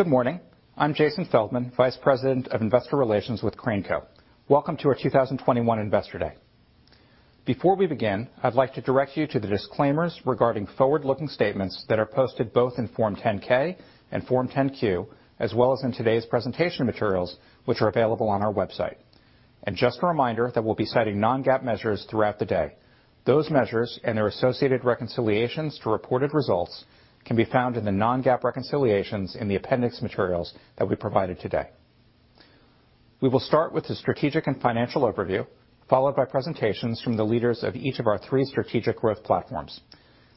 Good morning. I'm Jason Feldman, Vice President of Investor Relations with Crane Co. Welcome to our 2021 Investor Day. Before we begin, I'd like to direct you to the disclaimers regarding forward-looking statements that are posted both in Form 10-K and Form 10-Q, as well as in today's presentation materials, which are available on our website. Just a reminder that we'll be citing non-GAAP measures throughout the day. Those measures and their associated reconciliations to reported results can be found in the non-GAAP reconciliations in the appendix materials that we provided today. We will start with the strategic and financial overview, followed by presentations from the leaders of each of our three strategic growth platforms.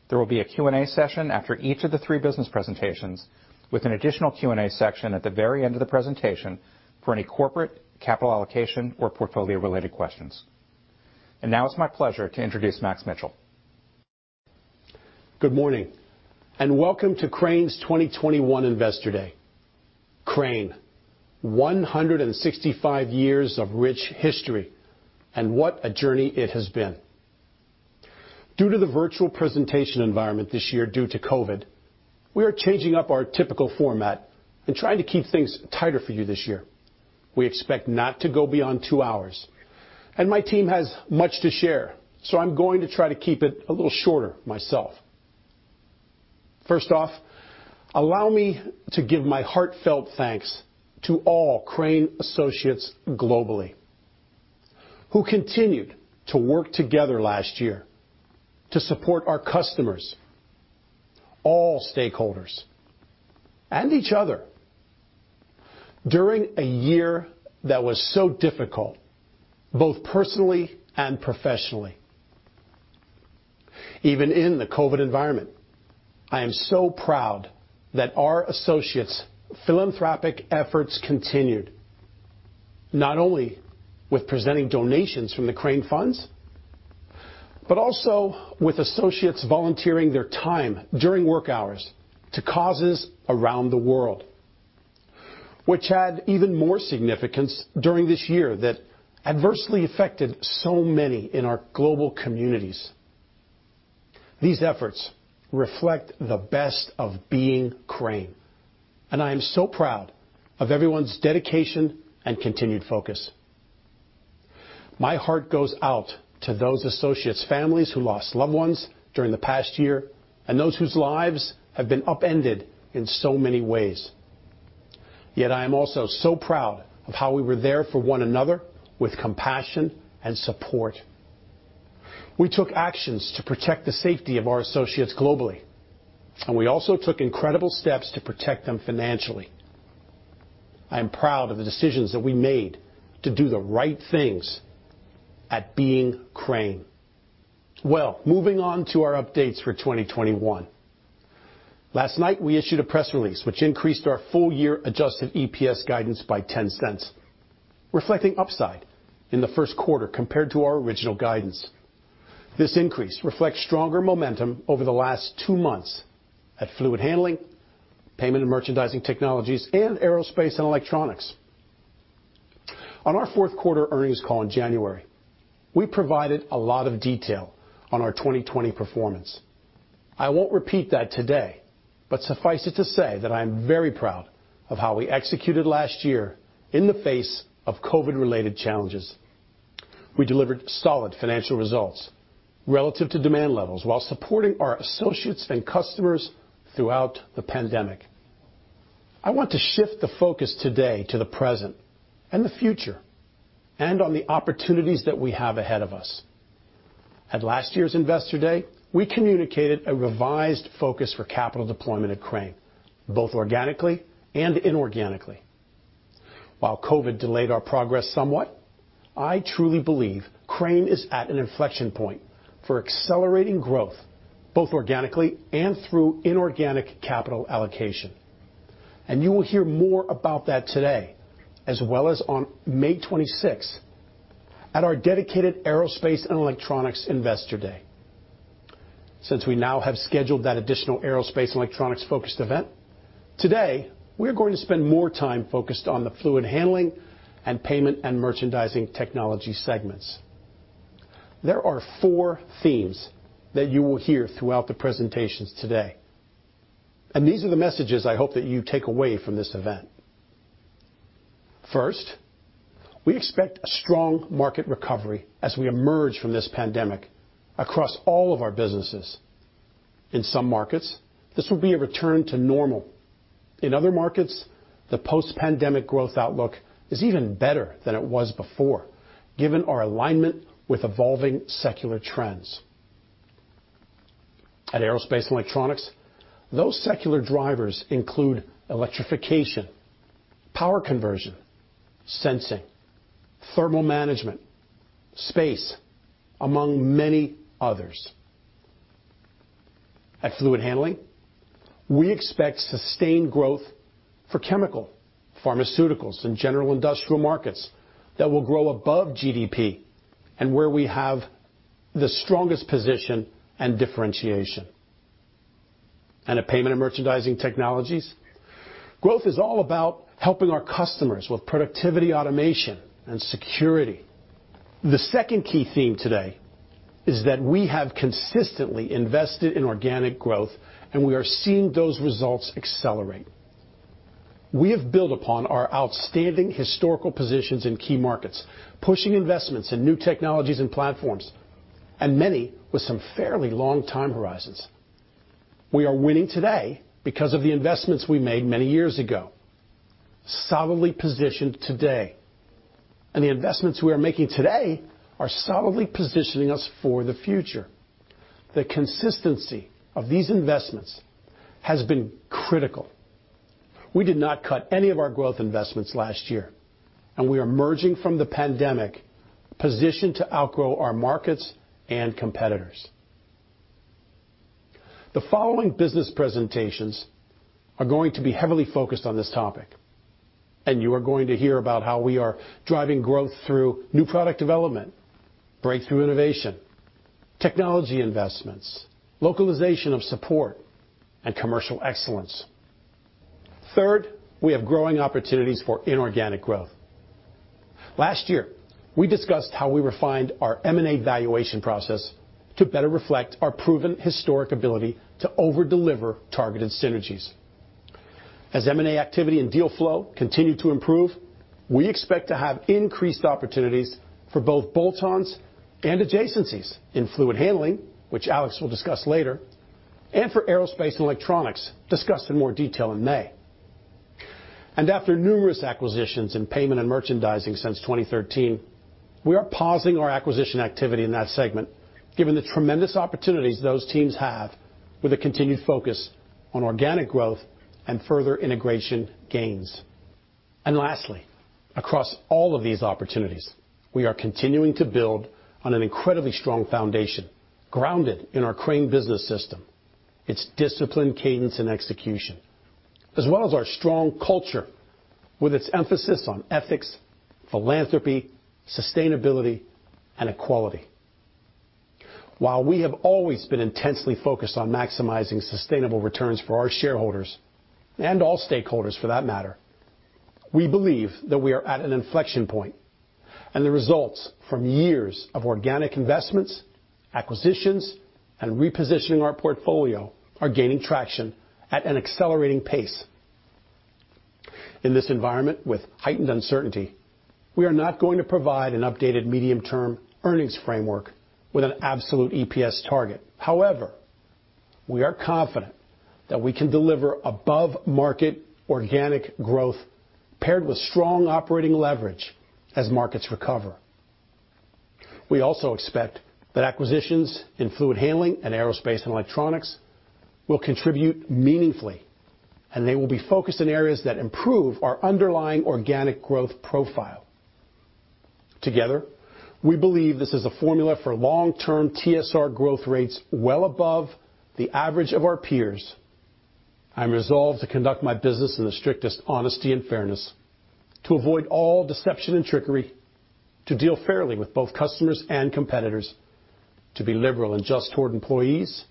There will be a Q&A session after each of the three business presentations, with an additional Q&A section at the very end of the presentation for any corporate, capital allocation, or portfolio-related questions. Now it's my pleasure to introduce Max Mitchell. Good morning, welcome to Crane's 2021 Investor Day. Crane, 165 years of rich history, what a journey it has been. Due to the virtual presentation environment this year due to COVID, we are changing up our typical format and trying to keep things tighter for you this year. We expect not to go beyond two hours, my team has much to share, I'm going to try to keep it a little shorter myself. First off, allow me to give my heartfelt thanks to all Crane associates globally who continued to work together last year to support our customers, all stakeholders, and each other during a year that was so difficult, both personally and professionally. Even in the COVID environment, I am so proud that our associates' philanthropic efforts continued, not only with presenting donations from the Crane funds, but also with associates volunteering their time during work hours to causes around the world, which had even more significance during this year that adversely affected so many in our global communities. These efforts reflect the best of being Crane, and I am so proud of everyone's dedication and continued focus. My heart goes out to those associates' families who lost loved ones during the past year, and those whose lives have been upended in so many ways. Yet I am also so proud of how we were there for one another with compassion and support. We took actions to protect the safety of our associates globally, and we also took incredible steps to protect them financially. I am proud of the decisions that we made to do the right things at being Crane. Well, moving on to our updates for 2021. Last night, we issued a press release which increased our full year adjusted EPS guidance by $0.10, reflecting upside in the first quarter compared to our original guidance. This increase reflects stronger momentum over the last two months at Fluid Handling, Payment & Merchandising Technologies, and Aerospace & Electronics. On our fourth quarter earnings call in January, we provided a lot of detail on our 2020 performance. I won't repeat that today, but suffice it to say that I am very proud of how we executed last year in the face of COVID-related challenges. We delivered solid financial results relative to demand levels while supporting our associates and customers throughout the pandemic. I want to shift the focus today to the present and the future, and on the opportunities that we have ahead of us. At last year's Investor Day, we communicated a revised focus for capital deployment at Crane, both organically and inorganically. While COVID delayed our progress somewhat, I truly believe Crane is at an inflection point for accelerating growth, both organically and through inorganic capital allocation. You will hear more about that today, as well as on May 26th at our dedicated Aerospace & Electronics Investor Day. Since we now have scheduled that additional Aerospace & Electronics-focused event, today, we are going to spend more time focused on the Fluid Handling and Payment & Merchandising Technologies segments. There are four themes that you will hear throughout the presentations today, and these are the messages I hope that you take away from this event. First, we expect a strong market recovery as we emerge from this pandemic across all of our businesses. In some markets, this will be a return to normal. In other markets, the post-pandemic growth outlook is even better than it was before, given our alignment with evolving secular trends. At Aerospace & Electronics, those secular drivers include electrification, power conversion, sensing, thermal management, space, among many others. At Fluid Handling, we expect sustained growth for chemical, pharmaceuticals, and general industrial markets that will grow above GDP, and where we have the strongest position and differentiation. At Payment & Merchandising Technologies, growth is all about helping our customers with productivity automation and security. The second key theme today is that we have consistently invested in organic growth, and we are seeing those results accelerate. We have built upon our outstanding historical positions in key markets, pushing investments in new technologies and platforms, and many with some fairly long time horizons. We are winning today because of the investments we made many years ago, solidly positioned today. The investments we are making today are solidly positioning us for the future. The consistency of these investments has been critical. We did not cut any of our growth investments last year, and we are emerging from the pandemic positioned to outgrow our markets and competitors. The following business presentations are going to be heavily focused on this topic, and you are going to hear about how we are driving growth through new product development, breakthrough innovation, technology investments, localization of support, and commercial excellence. Third, we have growing opportunities for inorganic growth. Last year, we discussed how we refined our M&A valuation process to better reflect our proven historic ability to over-deliver targeted synergies. As M&A activity and deal flow continue to improve, we expect to have increased opportunities for both bolt-ons and adjacencies in Fluid Handling, which Alex will discuss later, and for Aerospace & Electronics, discussed in more detail in May. After numerous acquisitions in Payment & Merchandising Technologies since 2013, we are pausing our acquisition activity in that segment given the tremendous opportunities those teams have with a continued focus on organic growth and further integration gains. Lastly, across all of these opportunities, we are continuing to build on an incredibly strong foundation, grounded in our Crane Business System, its discipline, cadence, and execution, as well as our strong culture with its emphasis on ethics, philanthropy, sustainability, and equality. While we have always been intensely focused on maximizing sustainable returns for our shareholders and all stakeholders, for that matter, we believe that we are at an inflection point, and the results from years of organic investments, acquisitions, and repositioning our portfolio are gaining traction at an accelerating pace. In this environment with heightened uncertainty, we are not going to provide an updated medium-term earnings framework with an absolute EPS target. However, we are confident that we can deliver above-market organic growth paired with strong operating leverage as markets recover. We also expect that acquisitions in Fluid Handling and Aerospace & Electronics will contribute meaningfully, and they will be focused in areas that improve our underlying organic growth profile. Together, we believe this is a formula for long-term TSR growth rates well above the average of our peers. I am resolved to conduct my business in the strictest honesty and fairness, to avoid all deception and trickery, to deal fairly with both customers and competitors, to be liberal and just toward employees,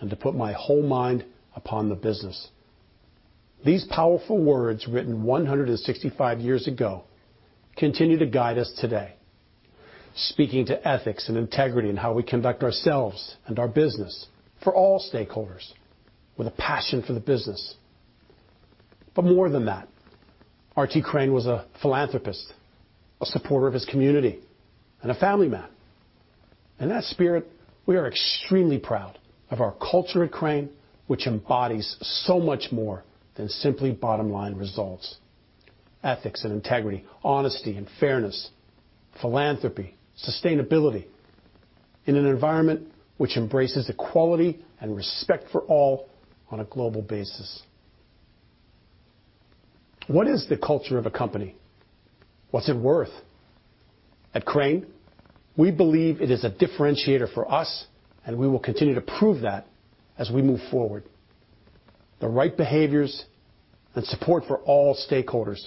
and to put my whole mind upon the business." These powerful words, written 165 years ago, continue to guide us today, speaking to ethics and integrity in how we conduct ourselves and our business for all stakeholders with a passion for the business. More than that, R.T. Crane was a philanthropist, a supporter of his community, and a family man. In that spirit, we are extremely proud of our culture at Crane, which embodies so much more than simply bottom-line results: ethics and integrity, honesty and fairness, philanthropy, sustainability in an environment which embraces equality and respect for all on a global basis. What is the culture of a company? What's it worth? At Crane, we believe it is a differentiator for us, and we will continue to prove that as we move forward. The right behaviors and support for all stakeholders,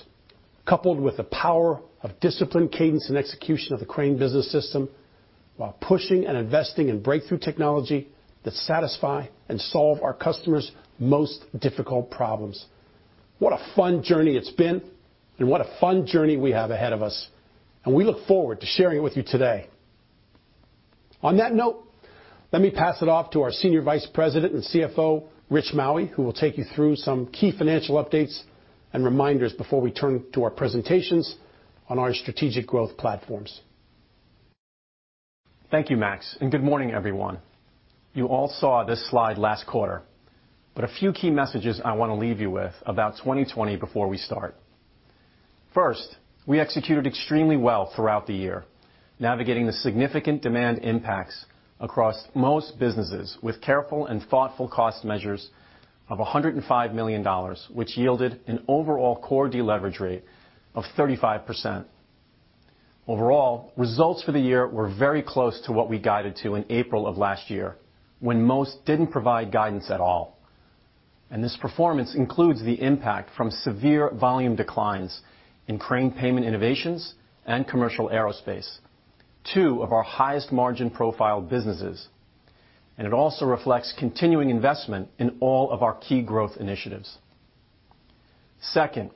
coupled with the power of discipline, cadence, and execution of the Crane Business System while pushing and investing in breakthrough technology that satisfy and solve our customers' most difficult problems. What a fun journey it's been and what a fun journey we have ahead of us, and we look forward to sharing it with you today. On that note, let me pass it off to our senior vice president and CFO, Rich Maue, who will take you through some key financial updates and reminders before we turn to our presentations on our strategic growth platforms. Thank you, Max, good morning, everyone. You all saw this slide last quarter, a few key messages I want to leave you with about 2020 before we start. First, we executed extremely well throughout the year, navigating the significant demand impacts across most businesses with careful and thoughtful cost measures of $105 million, which yielded an overall core deleverage rate of 35%. Overall, results for the year were very close to what we guided to in April of last year, when most didn't provide guidance at all. This performance includes the impact from severe volume declines in Crane Payment Innovations and Commercial Aerospace, two of our highest margin profile businesses. It also reflects continuing investment in all of our key growth initiatives. Second,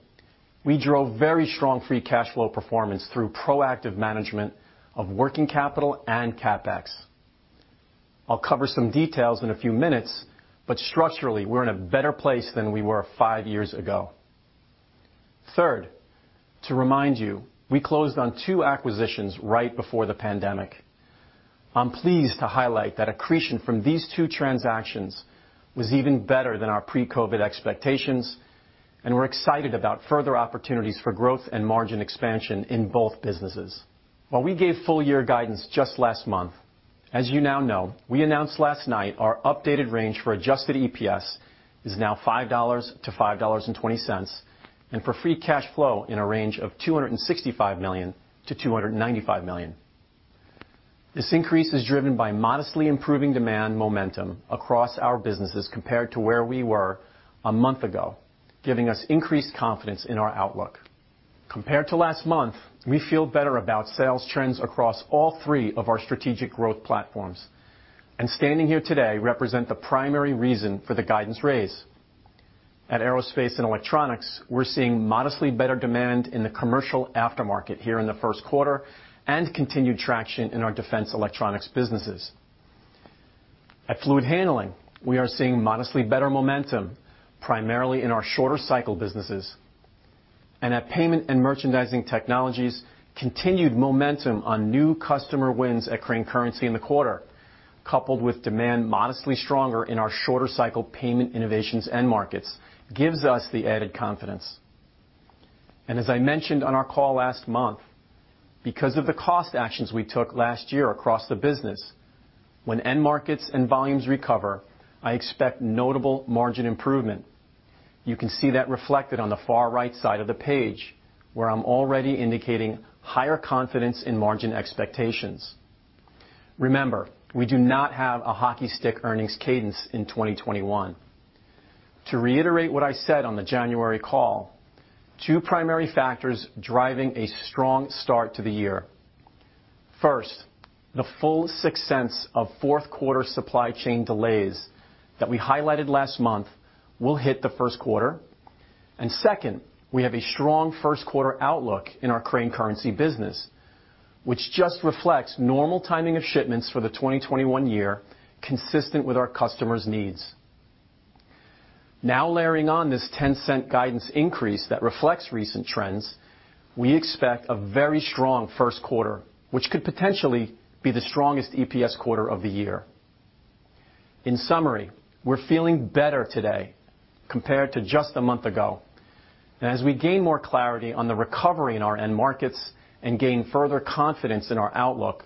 we drove very strong free cash flow performance through proactive management of working capital and CapEx. I'll cover some details in a few minutes, but structurally, we're in a better place than we were five years ago. Third, to remind you, we closed on two acquisitions right before the pandemic. I'm pleased to highlight that accretion from these two transactions was even better than our pre-COVID expectations, and we're excited about further opportunities for growth and margin expansion in both businesses. While we gave full year guidance just last month, as you now know, we announced last night our updated range for adjusted EPS is now $5-$5.20, and for free cash flow in a range of $265 million-$295 million. This increase is driven by modestly improving demand momentum across our businesses compared to where we were a month ago, giving us increased confidence in our outlook. Compared to last month, we feel better about sales trends across all three of our strategic growth platforms, standing here today represent the primary reason for the guidance raise. At Aerospace & Electronics, we're seeing modestly better demand in the commercial aftermarket here in the first quarter and continued traction in our defense electronics businesses. At Fluid Handling, we are seeing modestly better momentum, primarily in our shorter cycle businesses. At Payment & Merchandising Technologies, continued momentum on new customer wins at Crane Currency in the quarter, coupled with demand modestly stronger in our shorter cycle Payment Innovations end markets, gives us the added confidence. As I mentioned on our call last month, because of the cost actions we took last year across the business, when end markets and volumes recover, I expect notable margin improvement. You can see that reflected on the far right side of the page, where I'm already indicating higher confidence in margin expectations. Remember, we do not have a hockey stick earnings cadence in 2021. To reiterate what I said on the January call, two primary factors driving a strong start to the year. First, the full $0.06 of fourth quarter supply chain delays that we highlighted last month will hit the first quarter. Second, we have a strong first quarter outlook in our Crane Currency business, which just reflects normal timing of shipments for the 2021 year, consistent with our customers' needs. Layering on this $0.10 guidance increase that reflects recent trends, we expect a very strong first quarter, which could potentially be the strongest EPS quarter of the year. In summary, we're feeling better today compared to just a month ago. As we gain more clarity on the recovery in our end markets and gain further confidence in our outlook,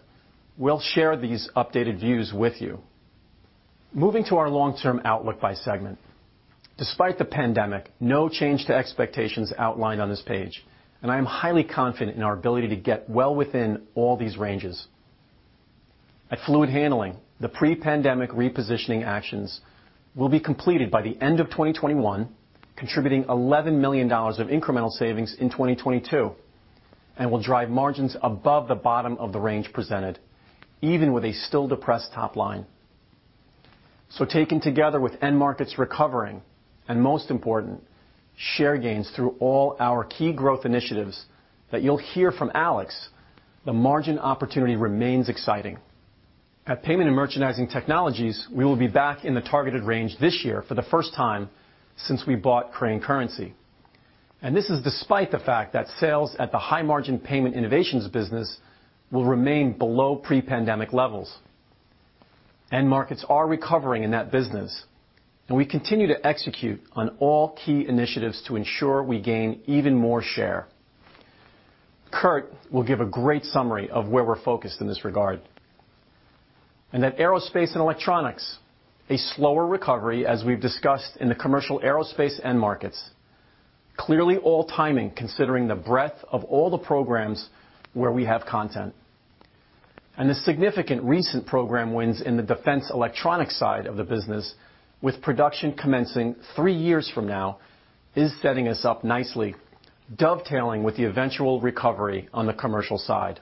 we'll share these updated views with you. Moving to our long-term outlook by segment. Despite the pandemic, no change to expectations outlined on this page, and I am highly confident in our ability to get well within all these ranges. At Fluid Handling, the pre-pandemic repositioning actions will be completed by the end of 2021, contributing $11 million of incremental savings in 2022 and will drive margins above the bottom of the range presented, even with a still depressed top line. Taken together with end markets recovering, and most important, share gains through all our key growth initiatives that you'll hear from Alex, the margin opportunity remains exciting. At Payment & Merchandising Technologies, we will be back in the targeted range this year for the first time since we bought Crane Currency. This is despite the fact that sales at the high-margin Payment Innovations business will remain below pre-pandemic levels. End markets are recovering in that business, and we continue to execute on all key initiatives to ensure we gain even more share. Kurt will give a great summary of where we're focused in this regard. At Aerospace & Electronics, a slower recovery, as we've discussed in the commercial aerospace end markets. Clearly all timing considering the breadth of all the programs where we have content. The significant recent program wins in the defense electronics side of the business, with production commencing three years from now, is setting us up nicely, dovetailing with the eventual recovery on the commercial side.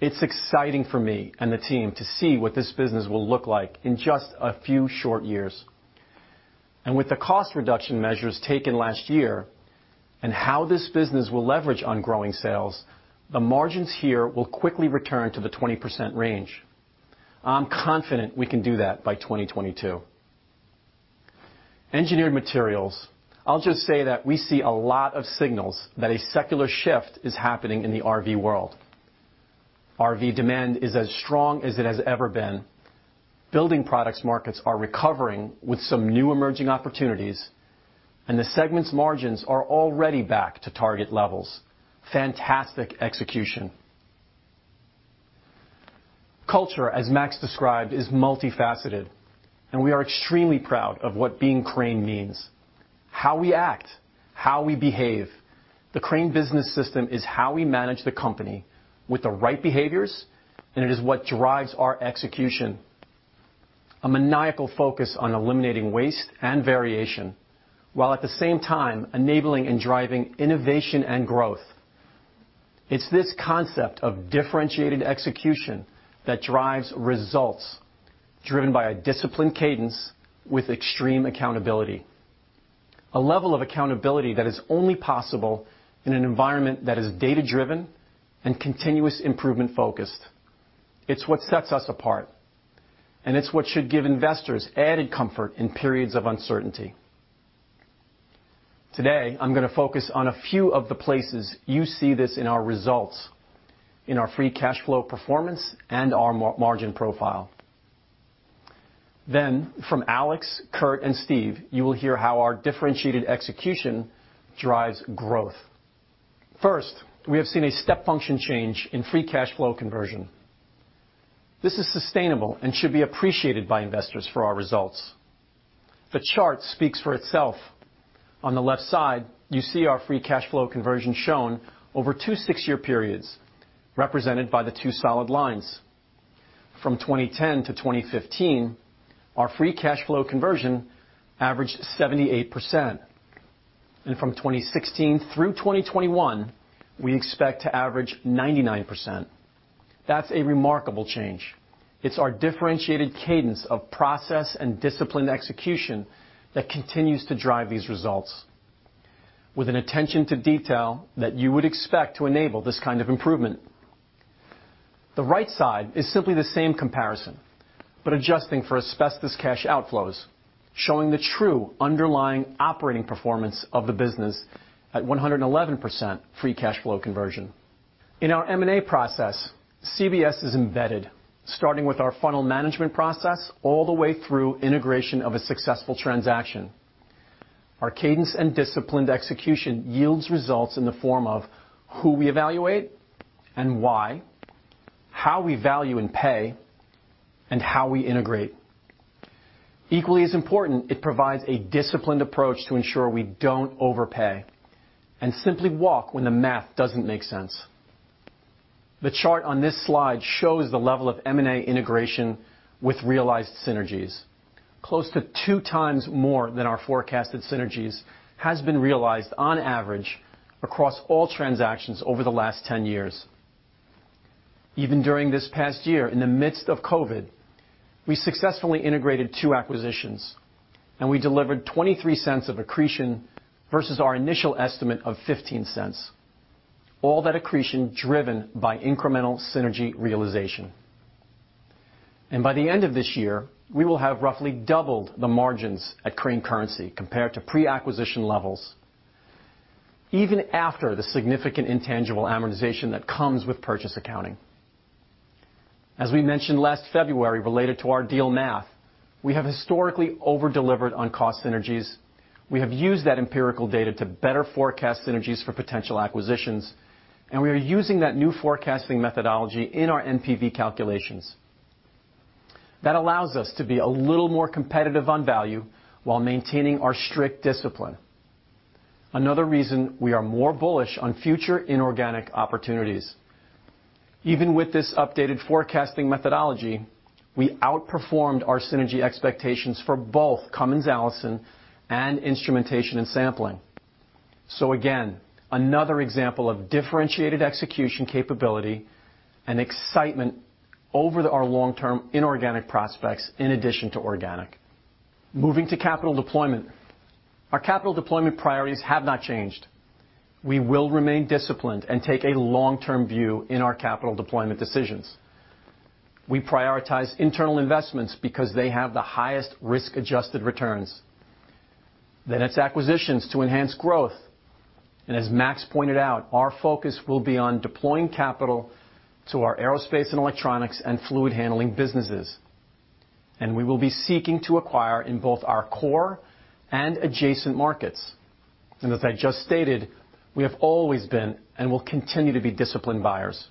It's exciting for me and the team to see what this business will look like in just a few short years. With the cost reduction measures taken last year and how this business will leverage on growing sales, the margins here will quickly return to the 20% range. I'm confident we can do that by 2022. Engineered Materials, I'll just say that we see a lot of signals that a secular shift is happening in the RV world. RV demand is as strong as it has ever been. Building products markets are recovering with some new emerging opportunities, and the segment's margins are already back to target levels. Fantastic execution. Culture, as Max described, is multifaceted, and we are extremely proud of what being Crane means, how we act, how we behave. The Crane Business System is how we manage the company with the right behaviors, and it is what drives our execution. A maniacal focus on eliminating waste and variation, while at the same time enabling and driving innovation and growth. It's this concept of differentiated execution that drives results, driven by a disciplined cadence with extreme accountability. A level of accountability that is only possible in an environment that is data-driven and continuous improvement focused. It's what sets us apart, and it's what should give investors added comfort in periods of uncertainty. Today, I'm going to focus on a few of the places you see this in our results, in our free cash flow performance, and our margin profile. From Alex, Kurt, and Steve, you will hear how our differentiated execution drives growth. First, we have seen a step function change in free cash flow conversion. This is sustainable and should be appreciated by investors for our results. The chart speaks for itself. On the left side, you see our free cash flow conversion shown over two six-year periods, represented by the two solid lines. From 2010 to 2015, our free cash flow conversion averaged 78%, and from 2016 through 2021, we expect to average 99%. That's a remarkable change. It's our differentiated cadence of process and disciplined execution that continues to drive these results with an attention to detail that you would expect to enable this kind of improvement. The right side is simply the same comparison, but adjusting for asbestos cash outflows, showing the true underlying operating performance of the business at 111% free cash flow conversion. In our M&A process, CBS is embedded, starting with our funnel management process all the way through integration of a successful transaction. Our cadence and disciplined execution yields results in the form of who we evaluate and why, how we value and pay, and how we integrate. Equally as important, it provides a disciplined approach to ensure we don't overpay and simply walk when the math doesn't make sense. The chart on this slide shows the level of M&A integration with realized synergies. Close to 2 times more than our forecasted synergies has been realized on average across all transactions over the last 10 years. Even during this past year, in the midst of COVID, we successfully integrated two acquisitions, and we delivered $0.23 of accretion versus our initial estimate of $0.15. All that accretion driven by incremental synergy realization. By the end of this year, we will have roughly doubled the margins at Crane Currency compared to pre-acquisition levels, even after the significant intangible amortization that comes with purchase accounting. As we mentioned last February related to our deal math, we have historically over-delivered on cost synergies. We have used that empirical data to better forecast synergies for potential acquisitions, and we are using that new forecasting methodology in our NPV calculations. That allows us to be a little more competitive on value while maintaining our strict discipline. Another reason we are more bullish on future inorganic opportunities. Even with this updated forecasting methodology, we outperformed our synergy expectations for both Cummins Allison and Instrumentation and Sampling. Again, another example of differentiated execution capability and excitement over our long-term inorganic prospects, in addition to organic. Moving to capital deployment. Our capital deployment priorities have not changed. We will remain disciplined and take a long-term view in our capital deployment decisions. We prioritize internal investments because they have the highest risk-adjusted returns. It's acquisitions to enhance growth. As Max pointed out, our focus will be on deploying capital to our Aerospace & Electronics and Fluid Handling businesses, we will be seeking to acquire in both our core and adjacent markets. As I just stated, we have always been and will continue to be disciplined buyers,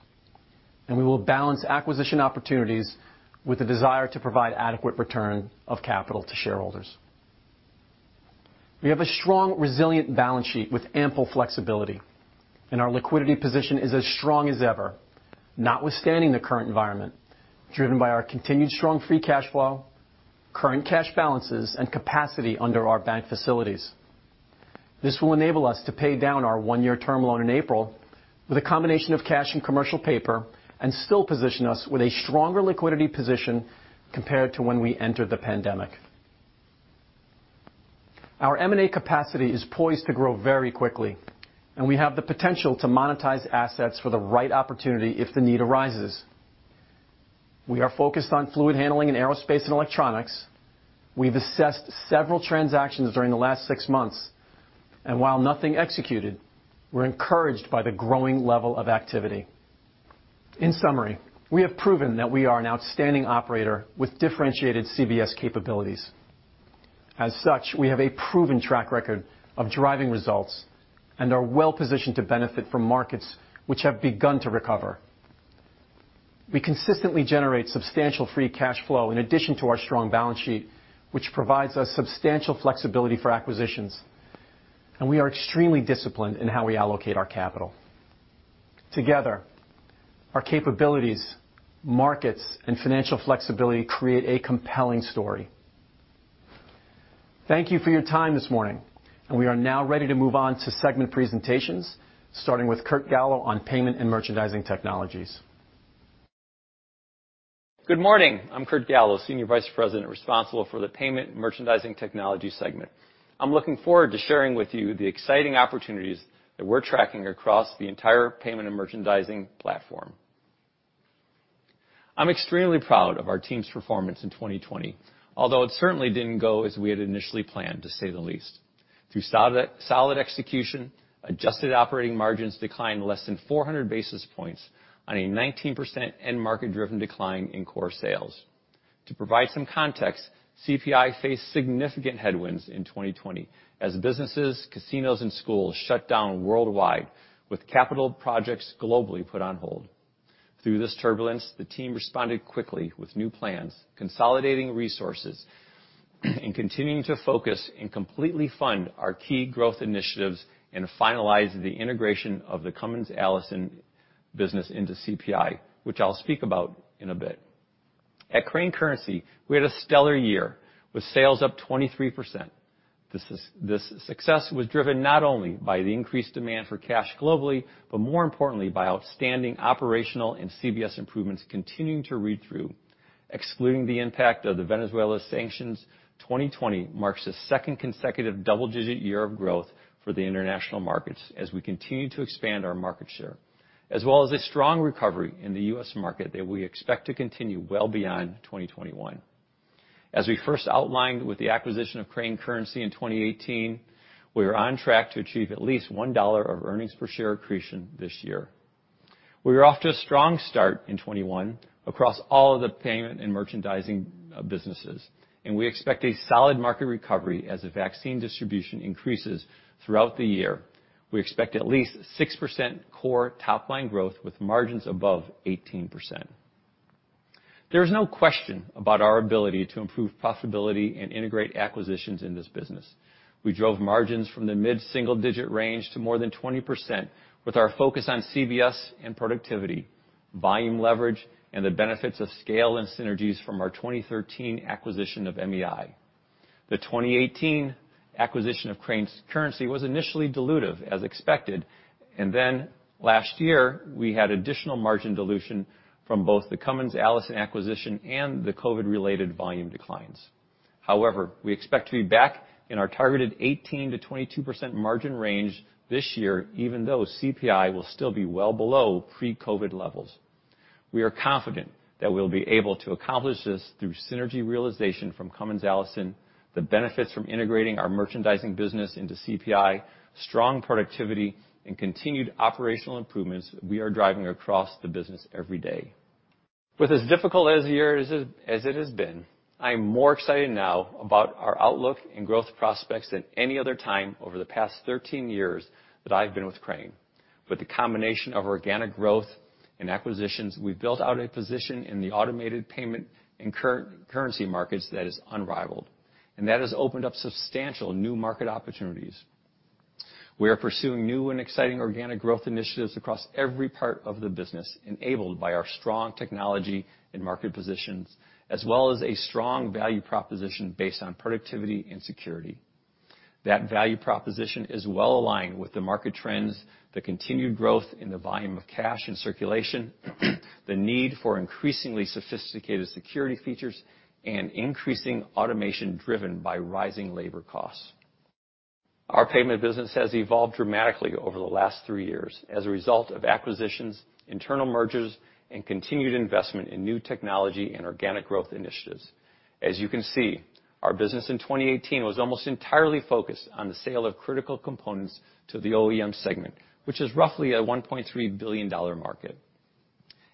we will balance acquisition opportunities with the desire to provide adequate return of capital to shareholders. We have a strong, resilient balance sheet with ample flexibility, our liquidity position is as strong as ever, notwithstanding the current environment, driven by our continued strong free cash flow, current cash balances, and capacity under our bank facilities. This will enable us to pay down our one-year term loan in April with a combination of cash and commercial paper and still position us with a stronger liquidity position compared to when we entered the pandemic. Our M&A capacity is poised to grow very quickly, and we have the potential to monetize assets for the right opportunity if the need arises. We are focused on Fluid Handling and Aerospace & Electronics. We've assessed several transactions during the last six months, and while nothing executed, we're encouraged by the growing level of activity. In summary, we have proven that we are an outstanding operator with differentiated CBS capabilities. As such, we have a proven track record of driving results and are well positioned to benefit from markets which have begun to recover. We consistently generate substantial free cash flow in addition to our strong balance sheet, which provides us substantial flexibility for acquisitions. We are extremely disciplined in how we allocate our capital. Together, our capabilities, markets, and financial flexibility create a compelling story. Thank you for your time this morning. We are now ready to move on to segment presentations, starting with Kurt Gallo on Payment & Merchandising Technologies. Good morning. I'm Kurt Gallo, Senior Vice President responsible for the Payment & Merchandising Technologies segment. I'm looking forward to sharing with you the exciting opportunities that we're tracking across the entire payment and merchandising platform. I'm extremely proud of our team's performance in 2020, although it certainly didn't go as we had initially planned, to say the least. Through solid execution, adjusted operating margins declined less than 400 basis points on a 19% end market-driven decline in core sales. To provide some context, CPI faced significant headwinds in 2020 as businesses, casinos, and schools shut down worldwide, with capital projects globally put on hold. Through this turbulence, the team responded quickly with new plans, consolidating resources, and continuing to focus and completely fund our key growth initiatives and finalize the integration of the Cummins Allison business into CPI, which I'll speak about in a bit. At Crane Currency, we had a stellar year, with sales up 23%. This success was driven not only by the increased demand for cash globally, but more importantly by outstanding operational and CBS improvements continuing to read through. Excluding the impact of the Venezuela sanctions, 2020 marks the second consecutive double-digit year of growth for the international markets as we continue to expand our market share, as well as a strong recovery in the U.S. market that we expect to continue well beyond 2021. As we first outlined with the acquisition of Crane Currency in 2018, we are on track to achieve at least $1 of earnings per share accretion this year. We are off to a strong start in 2021 across all of the payment and merchandising businesses, and we expect a solid market recovery as the vaccine distribution increases throughout the year. We expect at least 6% core top-line growth with margins above 18%. There is no question about our ability to improve profitability and integrate acquisitions in this business. We drove margins from the mid-single-digit range to more than 20% with our focus on CBS and productivity, volume leverage, and the benefits of scale and synergies from our 2013 acquisition of MEI. The 2018 acquisition of Crane Currency was initially dilutive, as expected, and then last year we had additional margin dilution from both the Cummins Allison acquisition and the COVID-related volume declines. However, we expect to be back in our targeted 18%-22% margin range this year, even though CPI will still be well below pre-COVID levels. We are confident that we'll be able to accomplish this through synergy realization from Cummins Allison, the benefits from integrating our merchandising business into CPI, strong productivity, and continued operational improvements we are driving across the business every day. With as difficult a year as it has been, I am more excited now about our outlook and growth prospects than any other time over the past 13 years that I've been with Crane. With the combination of organic growth and acquisitions, we've built out a position in the automated payment and currency markets that is unrivaled, and that has opened up substantial new market opportunities. We are pursuing new and exciting organic growth initiatives across every part of the business, enabled by our strong technology and market positions, as well as a strong value proposition based on productivity and security. That value proposition is well aligned with the market trends, the continued growth in the volume of cash and circulation, the need for increasingly sophisticated security features, and increasing automation driven by rising labor costs. Our payment business has evolved dramatically over the last three years as a result of acquisitions, internal mergers, and continued investment in new technology and organic growth initiatives. As you can see, our business in 2018 was almost entirely focused on the sale of critical components to the OEM segment, which is roughly a $1.3 billion market.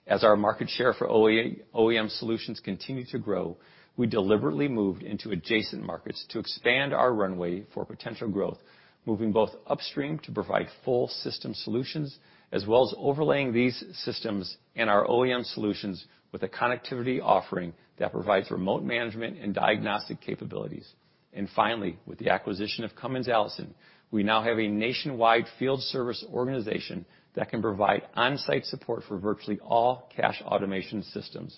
As our market share for OEM solutions continued to grow, we deliberately moved into adjacent markets to expand our runway for potential growth, moving both upstream to provide full system solutions, as well as overlaying these systems and our OEM solutions with a connectivity offering that provides remote management and diagnostic capabilities. Finally, with the acquisition of Cummins Allison, we now have a nationwide field service organization that can provide on-site support for virtually all cash automation systems.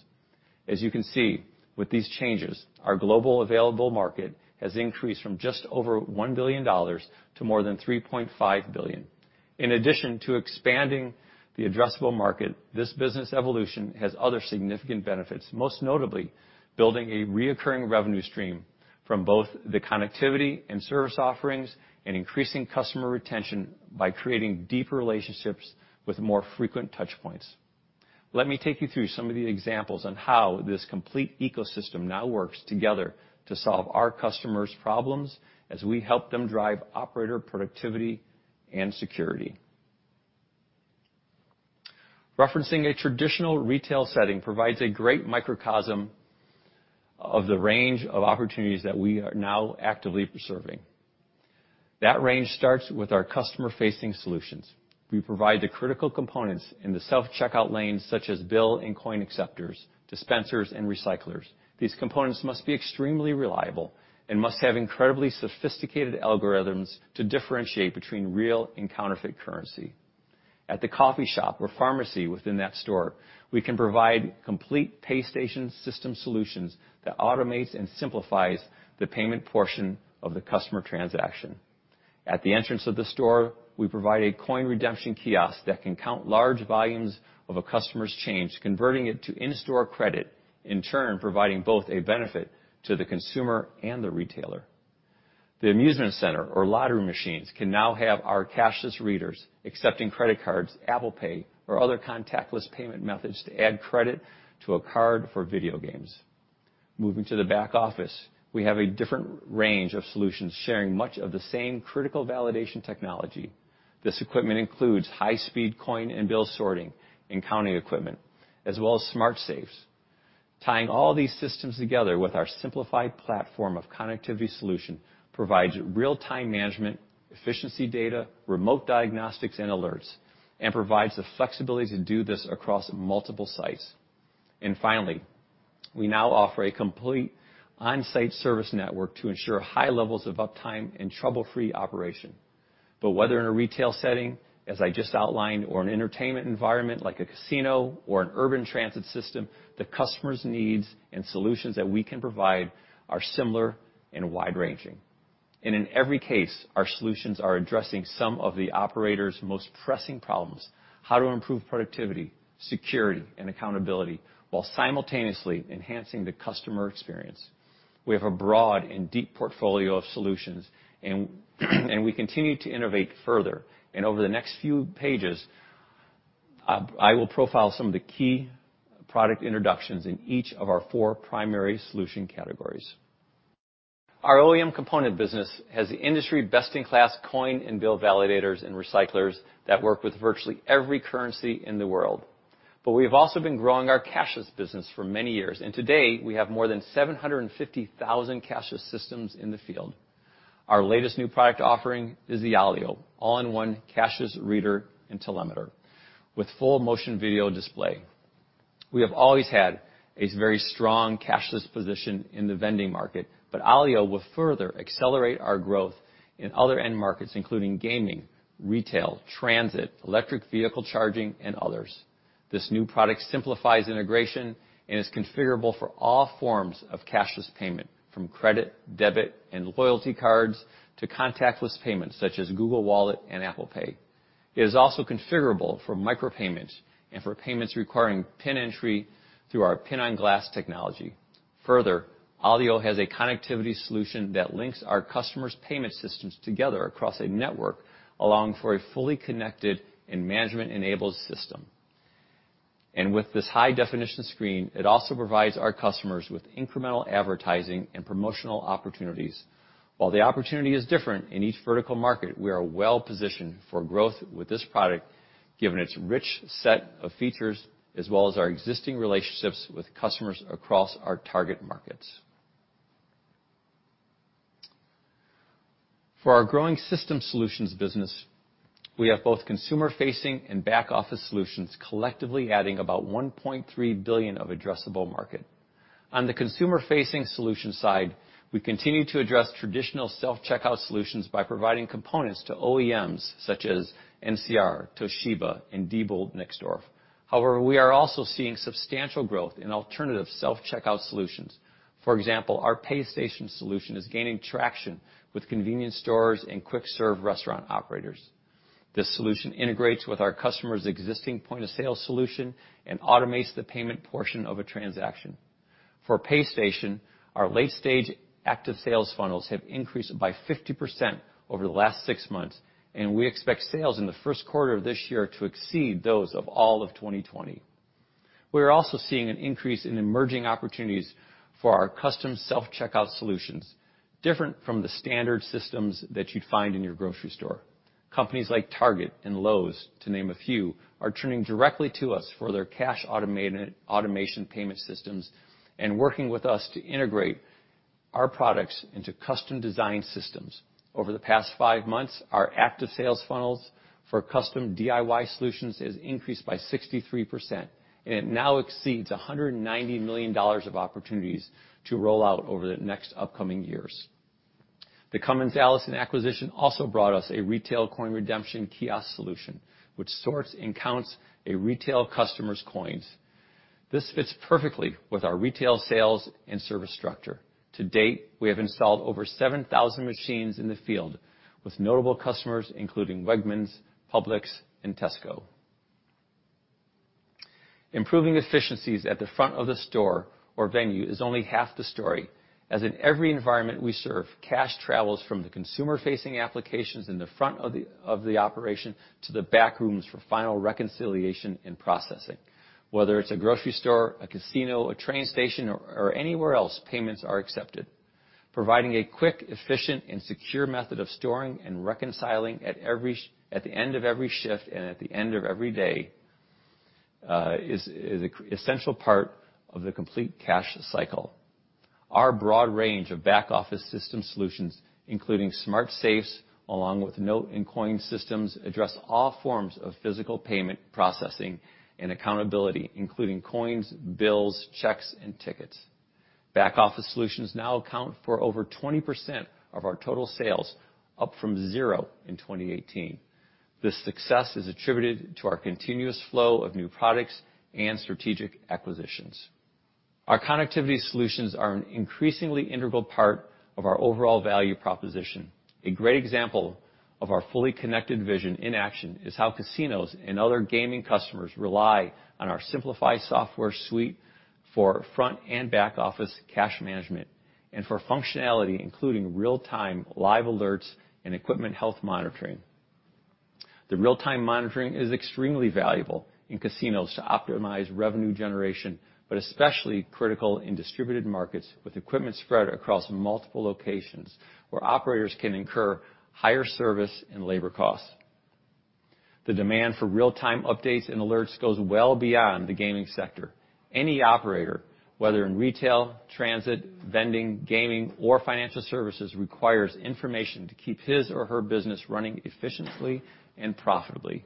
As you can see, with these changes, our global available market has increased from just over $1 billion to more than $3.5 billion. In addition to expanding the addressable market, this business evolution has other significant benefits, most notably building a reoccurring revenue stream from both the connectivity and service offerings and increasing customer retention by creating deeper relationships with more frequent touchpoints. Let me take you through some of the examples on how this complete ecosystem now works together to solve our customers' problems as we help them drive operator productivity and security. Referencing a traditional retail setting provides a great microcosm of the range of opportunities that we are now actively pursuing. That range starts with our customer-facing solutions. We provide the critical components in the self-checkout lanes such as bill and coin acceptors, dispensers, and recyclers. These components must be extremely reliable and must have incredibly sophisticated algorithms to differentiate between real and counterfeit currency. At the coffee shop or pharmacy within that store, we can provide complete PayStation system solutions that automates and simplifies the payment portion of the customer transaction. At the entrance of the store, we provide a coin redemption kiosk that can count large volumes of a customer's change, converting it to in-store credit, in turn, providing both a benefit to the consumer and the retailer. The amusement center or lottery machines can now have our cashless readers accepting credit cards, Apple Pay, or other contactless payment methods to add credit to a card for video games. Moving to the back office, we have a different range of solutions sharing much of the same critical validation technology. This equipment includes high-speed coin and bill sorting and counting equipment, as well as smart safes. Tying all these systems together with our simplified platform of connectivity solution provides real-time management, efficiency data, remote diagnostics and alerts, and provides the flexibility to do this across multiple sites. Finally, we now offer a complete on-site service network to ensure high levels of uptime and trouble-free operation. Whether in a retail setting, as I just outlined, or an entertainment environment like a casino or an urban transit system, the customers' needs and solutions that we can provide are similar and wide-ranging. In every case, our solutions are addressing some of the operators' most pressing problems, how to improve productivity, security, and accountability, while simultaneously enhancing the customer experience. We have a broad and deep portfolio of solutions. We continue to innovate further. Over the next few pages, I will profile some of the key product introductions in each of our four primary solution categories. Our OEM component business has the industry best-in-class coin and bill validators and recyclers that work with virtually every currency in the world. We've also been growing our cashless business for many years, and today, we have more than 750,000 cashless systems in the field. Our latest new product offering is the Alio, all-in-one cashless reader and telemeter, with full motion video display. We have always had a very strong cashless position in the vending market, Alio will further accelerate our growth in other end markets, including gaming, retail, transit, electric vehicle charging, and others. This new product simplifies integration and is configurable for all forms of cashless payment, from credit, debit, and loyalty cards to contactless payments such as Google Wallet and Apple Pay. It is also configurable for micropayments and for payments requiring PIN entry through our PIN on glass technology. Alio has a connectivity solution that links our customers' payment systems together across a network, allowing for a fully connected and management-enabled system. With this high-definition screen, it also provides our customers with incremental advertising and promotional opportunities. While the opportunity is different in each vertical market, we are well-positioned for growth with this product, given its rich set of features, as well as our existing relationships with customers across our target markets. For our growing system solutions business, we have both consumer-facing and back-office solutions collectively adding about $1.3 billion of addressable market. On the consumer-facing solution side, we continue to address traditional self-checkout solutions by providing components to OEMs such as NCR, Toshiba, and Diebold Nixdorf. However, we are also seeing substantial growth in alternative self-checkout solutions. For example, our PayStation solution is gaining traction with convenience stores and quick-serve restaurant operators. This solution integrates with our customer's existing point-of-sale solution and automates the payment portion of a transaction. For PayStation, our late-stage active sales funnels have increased by 50% over the last six months, and we expect sales in the first quarter of this year to exceed those of all of 2020. We are also seeing an increase in emerging opportunities for our custom self-checkout solutions, different from the standard systems that you'd find in your grocery store. Companies like Target and Lowe's, to name a few, are turning directly to us for their cash automation payment systems and working with us to integrate our products into custom-designed systems. Over the past five months, our active sales funnels for custom DIY solutions has increased by 63%, and it now exceeds $190 million of opportunities to roll out over the next upcoming years. The Cummins Allison acquisition also brought us a retail coin redemption kiosk solution, which sorts and counts a retail customer's coins. This fits perfectly with our retail sales and service structure. To date, we have installed over 7,000 machines in the field with notable customers, including Wegmans, Publix, and Tesco. Improving efficiencies at the front of the store or venue is only half the story, as in every environment we serve, cash travels from the consumer-facing applications in the front of the operation to the back rooms for final reconciliation and processing. Whether it's a grocery store, a casino, a train station, or anywhere else payments are accepted. Providing a quick, efficient, and secure method of storing and reconciling at the end of every shift and at the end of every day is an essential part of the complete cash cycle. Our broad range of back-office system solutions, including smart safes, along with note and coin systems, address all forms of physical payment processing and accountability, including coins, bills, checks, and tickets. Back office solutions now account for over 20% of our total sales, up from 0 in 2018. This success is attributed to our continuous flow of new products and strategic acquisitions. Our connectivity solutions are an increasingly integral part of our overall value proposition. A great example of our fully connected vision in action is how casinos and other gaming customers rely on our simplified software suite for front and back-office cash management, and for functionality, including real-time live alerts and equipment health monitoring. The real-time monitoring is extremely valuable in casinos to optimize revenue generation, but especially critical in distributed markets with equipment spread across multiple locations where operators can incur higher service and labor costs. The demand for real-time updates and alerts goes well beyond the gaming sector. Any operator, whether in retail, transit, vending, gaming, or financial services, requires information to keep his or her business running efficiently and profitably.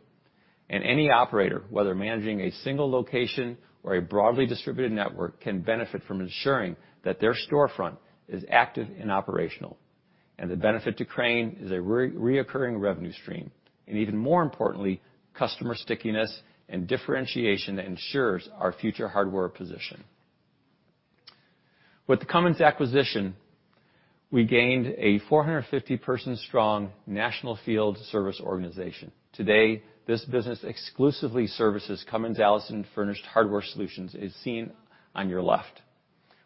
Any operator, whether managing a single location or a broadly distributed network, can benefit from ensuring that their storefront is active and operational. The benefit to Crane is a reoccurring revenue stream, and even more importantly, customer stickiness and differentiation that ensures our future hardware position. With the Cummins acquisition, we gained a 450-person strong national field service organization. Today, this business exclusively services Cummins Allison furnished hardware solutions, as seen on your left.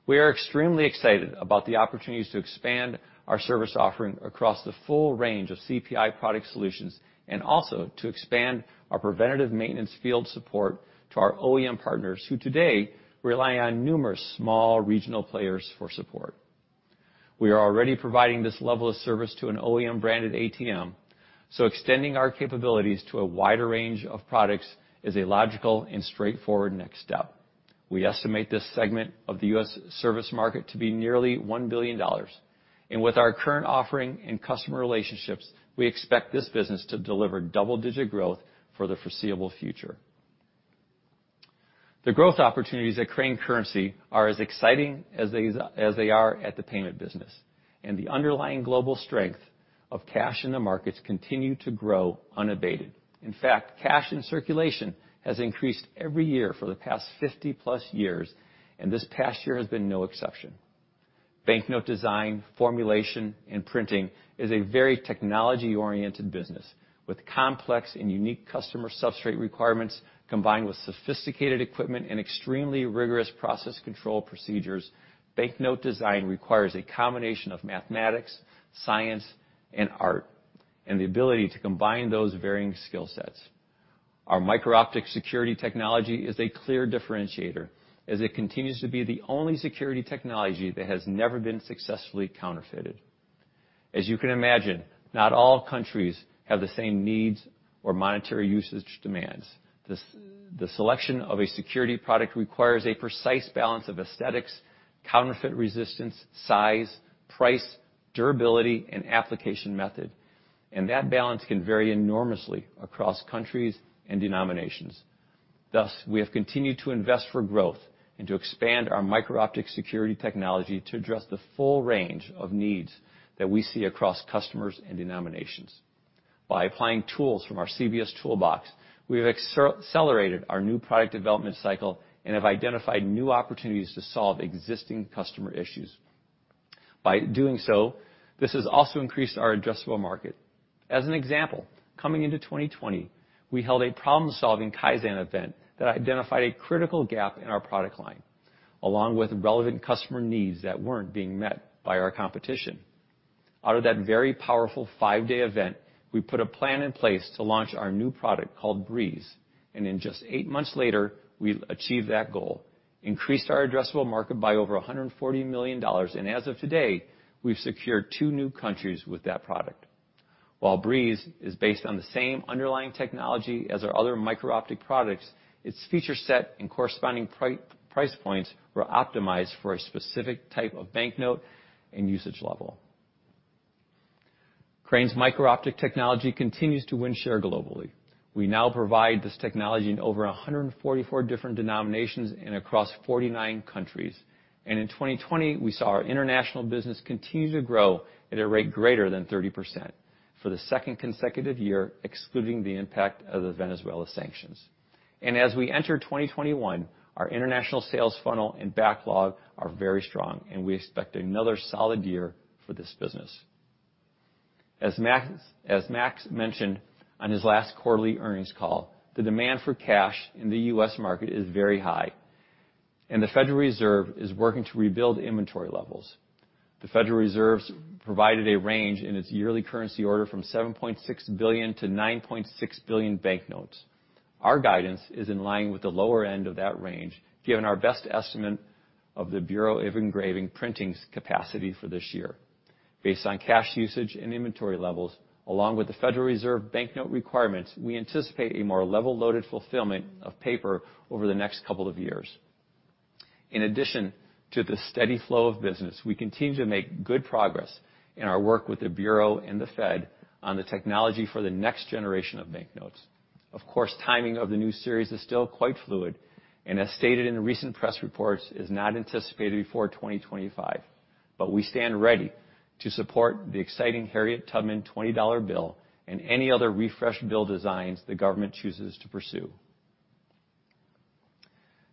We are extremely excited about the opportunities to expand our service offering across the full range of CPI product solutions, and also to expand our preventative maintenance field support to our OEM partners, who today rely on numerous small regional players for support. We are already providing this level of service to an OEM-branded ATM, so extending our capabilities to a wider range of products is a logical and straightforward next step. We estimate this segment of the U.S. service market to be nearly $1 billion. With our current offering and customer relationships, we expect this business to deliver double-digit growth for the foreseeable future. The growth opportunities at Crane Currency are as exciting as they are at the payment business, and the underlying global strength of cash in the markets continue to grow unabated. In fact, cash in circulation has increased every year for the past 50-plus years, and this past year has been no exception. Banknote design, formulation, and printing is a very technology-oriented business with complex and unique customer substrate requirements combined with sophisticated equipment and extremely rigorous process control procedures. Banknote design requires a combination of mathematics, science, and art, and the ability to combine those varying skill sets. Our micro-optic security technology is a clear differentiator, as it continues to be the only security technology that has never been successfully counterfeited. As you can imagine, not all countries have the same needs or monetary usage demands. The selection of a security product requires a precise balance of aesthetics, counterfeit resistance, size, price, durability, and application method, and that balance can vary enormously across countries and denominations. Thus, we have continued to invest for growth and to expand our micro-optic security technology to address the full range of needs that we see across customers and denominations. By applying tools from our CBS toolbox, we have accelerated our new product development cycle and have identified new opportunities to solve existing customer issues. By doing so, this has also increased our addressable market. As an example, coming into 2020, we held a problem-solving Kaizen event that identified a critical gap in our product line, along with relevant customer needs that weren't being met by our competition. In just eight months later, we achieved that goal, increased our addressable market by over $140 million, and as of today, we've secured two new countries with that product. While cBreeze is based on the same underlying technology as our other micro-optic products, its feature set and corresponding price points were optimized for a specific type of banknote and usage level. Crane's micro-optic technology continues to win share globally. We now provide this technology in over 144 different denominations and across 49 countries. In 2020, we saw our international business continue to grow at a rate greater than 30% for the second consecutive year, excluding the impact of the Venezuela sanctions. As we enter 2021, our international sales funnel and backlog are very strong, and we expect another solid year for this business. As Max mentioned on his last quarterly earnings call, the demand for cash in the U.S. market is very high, and the Federal Reserve is working to rebuild inventory levels. The Federal Reserve provided a range in its yearly currency order from 7.6 billion to 9.6 billion banknotes. Our guidance is in line with the lower end of that range, given our best estimate of the Bureau of Engraving and Printing's capacity for this year. Based on cash usage and inventory levels, along with the Federal Reserve banknote requirements, we anticipate a more level-loaded fulfillment of paper over the next couple of years. In addition to the steady flow of business, we continue to make good progress in our work with the Bureau and the Fed on the technology for the next generation of banknotes. Of course, timing of the new series is still quite fluid, and as stated in the recent press reports, is not anticipated before 2025. We stand ready to support the exciting Harriet Tubman $20 bill and any other refreshed bill designs the government chooses to pursue.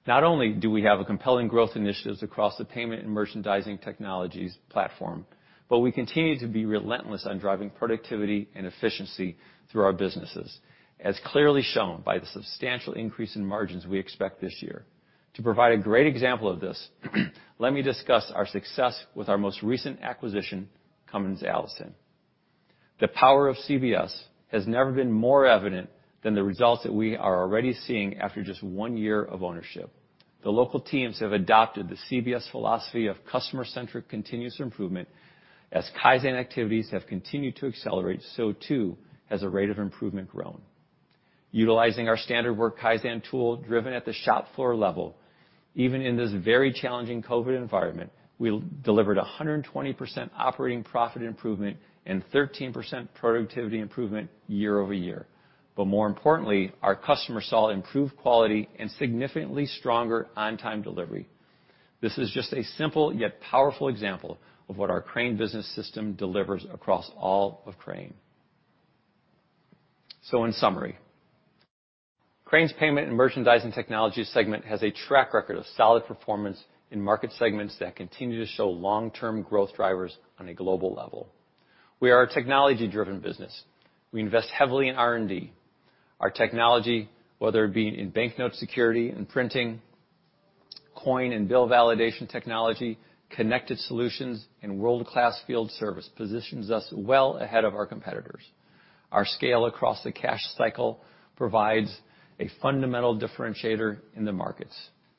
Not only do we have compelling growth initiatives across the Payment & Merchandising Technologies platform, but we continue to be relentless on driving productivity and efficiency through our businesses, as clearly shown by the substantial increase in margins we expect this year. To provide a great example of this, let me discuss our success with our most recent acquisition, Cummins Allison. The power of CBS has never been more evident than the results that we are already seeing after just one year of ownership. The local teams have adopted the CBS philosophy of customer-centric continuous improvement. Kaizen activities have continued to accelerate, so too has the rate of improvement grown. Utilizing our Standard Work Kaizen tool, driven at the shop floor level, even in this very challenging COVID environment, we delivered 120% operating profit improvement and 13% productivity improvement year-over-year. More importantly, our customers saw improved quality and significantly stronger on-time delivery. This is just a simple yet powerful example of what our Crane Business System delivers across all of Crane. In summary, Crane's Payment & Merchandising Technologies segment has a track record of solid performance in market segments that continue to show long-term growth drivers on a global level. We are a technology-driven business. We invest heavily in R&D. Our technology, whether it be in banknote security and printing, coin and bill validation technology, connected solutions, and world-class field service, positions us well ahead of our competitors. Our scale across the cash cycle provides a fundamental differentiator in the markets.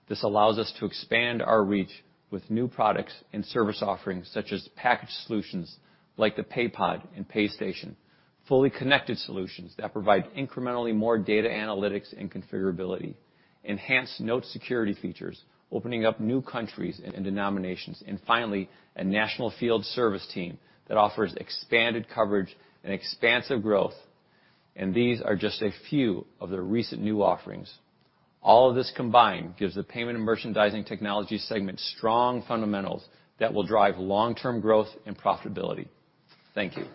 This allows us to expand our reach with new products and service offerings, such as packaged solutions like the Paypod and PayStation, fully connected solutions that provide incrementally more data analytics and configurability, enhanced note security features, opening up new countries and denominations, and finally, a national field service team that offers expanded coverage and expansive growth. These are just a few of the recent new offerings. All of this combined gives the Payment & Merchandising Technologies segment strong fundamentals that will drive long-term growth and profitability. Thank you.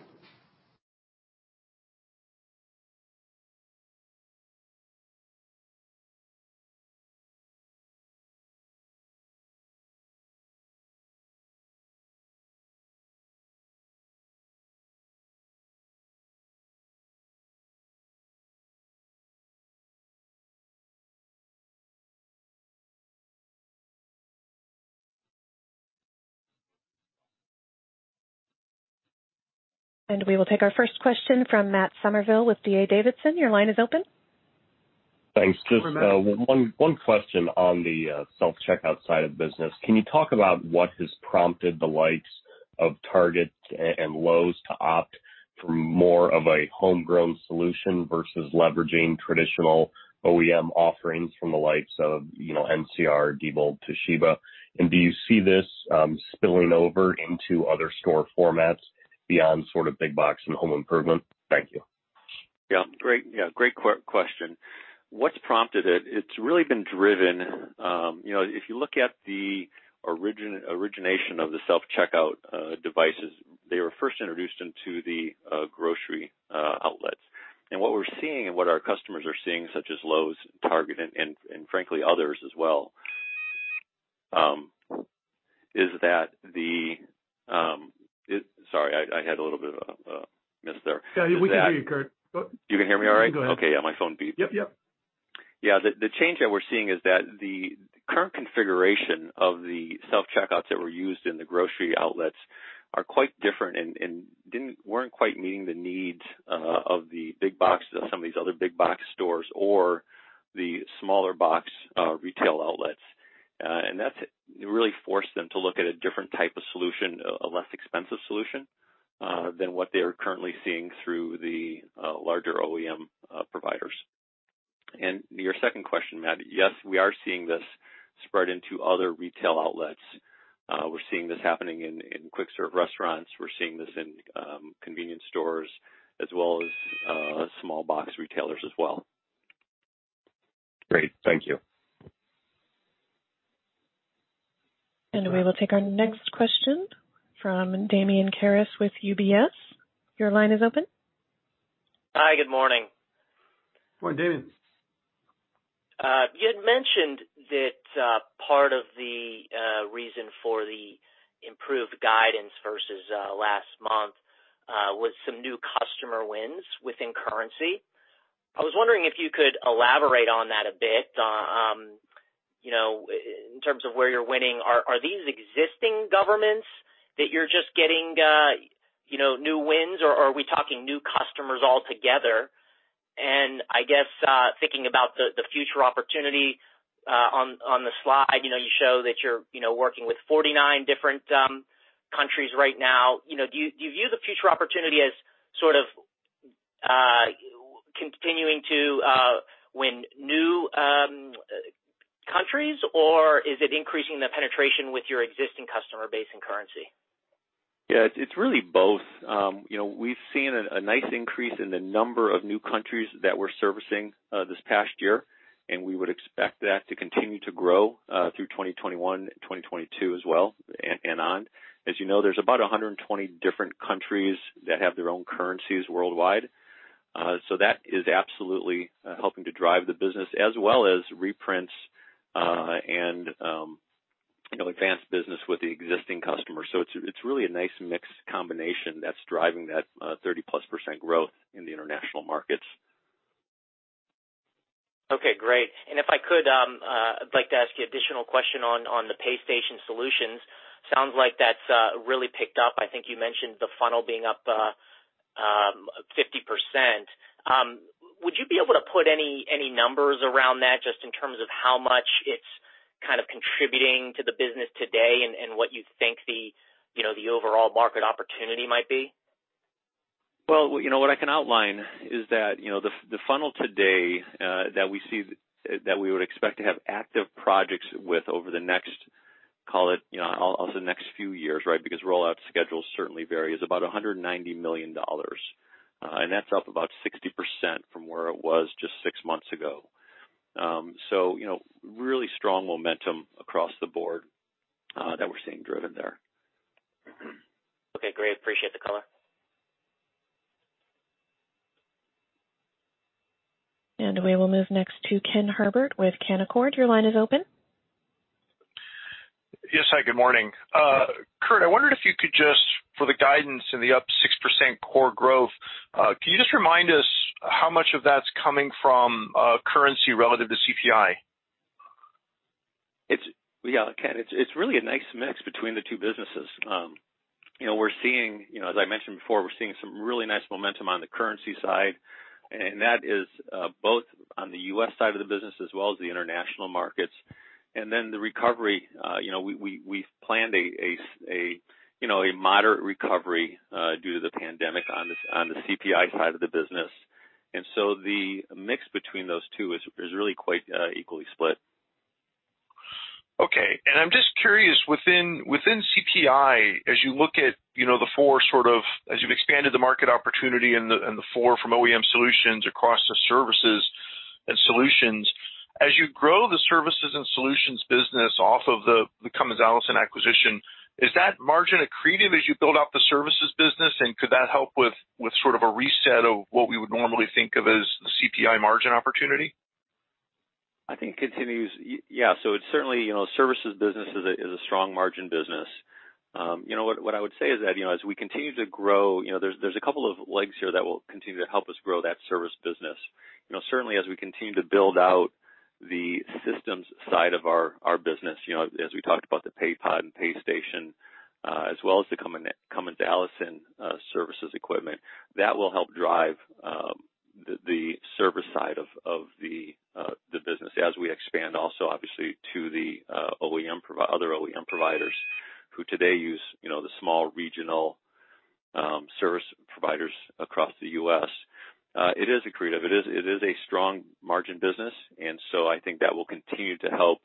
We will take our first question from Matt Summerville with D.A. Davidson. Your line is open. Thanks. Hi, Matt. Just one question on the self-checkout side of business. Can you talk about what has prompted the likes of Target and Lowe's to opt for more of a homegrown solution versus leveraging traditional OEM offerings from the likes of NCR, Diebold, Toshiba? Do you see this spilling over into other store formats beyond big box and home improvement? Thank you. Yeah. Great question. What's prompted it? It's really been driven. If you look at the origination of the self-checkout devices, they were first introduced into the grocery outlets. What we're seeing and what our customers are seeing, such as Lowe's, Target, and frankly, others as well. Sorry, I had a little bit of a miss there. Yeah, we can hear you, Kurt. You can hear me all right? You can go ahead. Okay. Yeah, my phone beeped. Yep. Yeah. The change that we're seeing is that the current configuration of the self-checkouts that were used in the grocery outlets are quite different and weren't quite meeting the needs of some of these other big box stores or the smaller box retail outlets. That's really forced them to look at a different type of solution, a less expensive solution than what they are currently seeing through the larger OEM providers. To your second question, Matt, yes, we are seeing this spread into other retail outlets. We're seeing this happening in quick serve restaurants. We're seeing this in convenience stores as well as small box retailers as well. Great. Thank you. We will take our next question from Damian Karas with UBS. Your line is open. Hi, good morning. Morning, Damian. You had mentioned that part of the reason for the improved guidance versus last month was some new customer wins within currency. I was wondering if you could elaborate on that a bit in terms of where you're winning. Are these existing governments that you're just getting new wins, or are we talking new customers altogether? I guess thinking about the future opportunity on the slide, you show that you're working with 49 different countries right now. Do you view the future opportunity as sort of continuing to win new countries, or is it increasing the penetration with your existing customer base and currency? It's really both. We've seen a nice increase in the number of new countries that we're servicing this past year We would expect that to continue to grow through 2021, 2022 as well, and on. As you know, there's about 120 different countries that have their own currencies worldwide. That is absolutely helping to drive the business as well as reprints and advanced business with the existing customers. It's really a nice mix combination that's driving that 30%+ growth in the international markets. Okay, great. If I could, I'd like to ask you additional question on the PayStation solutions. Sounds like that's really picked up. I think you mentioned the funnel being up 50%. Would you be able to put any numbers around that just in terms of how much it's kind of contributing to the business today and what you think the overall market opportunity might be? Well, what I can outline is that the funnel today that we would expect to have active projects with over the next, call it, the next few years, right? Rollout schedules certainly vary. It's about $190 million. That's up about 60% from where it was just six months ago. Really strong momentum across the board that we're seeing driven there. Okay, great. Appreciate the color. We will move next to Ken Herbert with Canaccord. Your line is open. Yes. Hi, good morning. Kurt, I wondered if you could just, for the guidance and the up 6% core growth, can you just remind us how much of that's coming from currency relative to CPI? Ken, it's really a nice mix between the two businesses. As I mentioned before, we're seeing some really nice momentum on the currency side. That is both on the U.S. side of the business as well as the international markets. Then the recovery, we've planned a moderate recovery due to the pandemic on the CPI side of the business. The mix between those two is really quite equally split. Okay. I'm just curious, within CPI, as you look at the four as you've expanded the market opportunity and the four from OEM solutions across the services and solutions, as you grow the services and solutions business off of the Cummins Allison acquisition, is that margin accretive as you build out the services business, and could that help with sort of a reset of what we would normally think of as the CPI margin opportunity? I think it continues. Yeah. It's certainly services business is a strong margin business. What I would say is that, as we continue to grow, there's a couple of legs here that will continue to help us grow that service business. Certainly as we continue to build out the systems side of our business, as we talked about the Paypod and PayStation, as well as the Cummins Allison services equipment. That will help drive the service side of the business as we expand also obviously to the other OEM providers who today use the small regional service providers across the U.S. It is accretive. It is a strong margin business, I think that will continue to help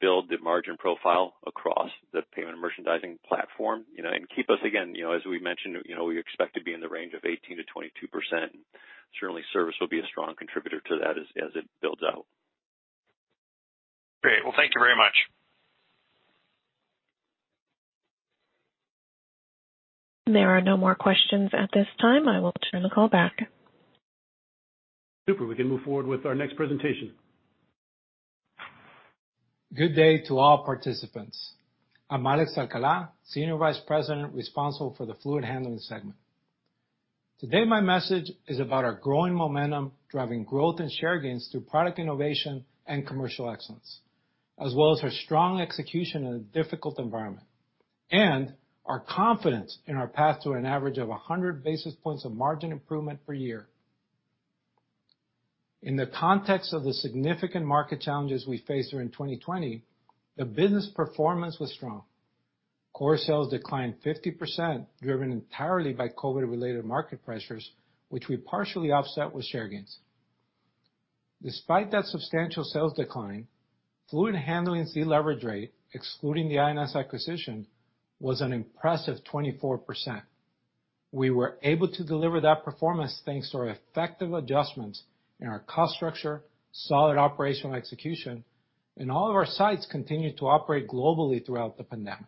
build the margin profile across the payment and merchandising platform, and keep us again, as we mentioned, we expect to be in the range of 18%-22%. Certainly, service will be a strong contributor to that as it builds out. Great. Well, thank you very much. There are no more questions at this time. I will turn the call back. Super. We can move forward with our next presentation. Good day to all participants. I'm Alex Alcala, Senior Vice President responsible for the Fluid Handling segment. Today, my message is about our growing momentum, driving growth and share gains through product innovation and commercial excellence. As well as our strong execution in a difficult environment. Our confidence in our path to an average of 100 basis points of margin improvement per year. In the context of the significant market challenges we faced during 2020, the business performance was strong. Core sales declined 50%, driven entirely by COVID-related market pressures, which we partially offset with share gains. Despite that substantial sales decline, Fluid Handling's deleverage rate, excluding the INS acquisition, was an impressive 24%. We were able to deliver that performance thanks to our effective adjustments in our cost structure, solid operational execution, and all of our sites continued to operate globally throughout the pandemic.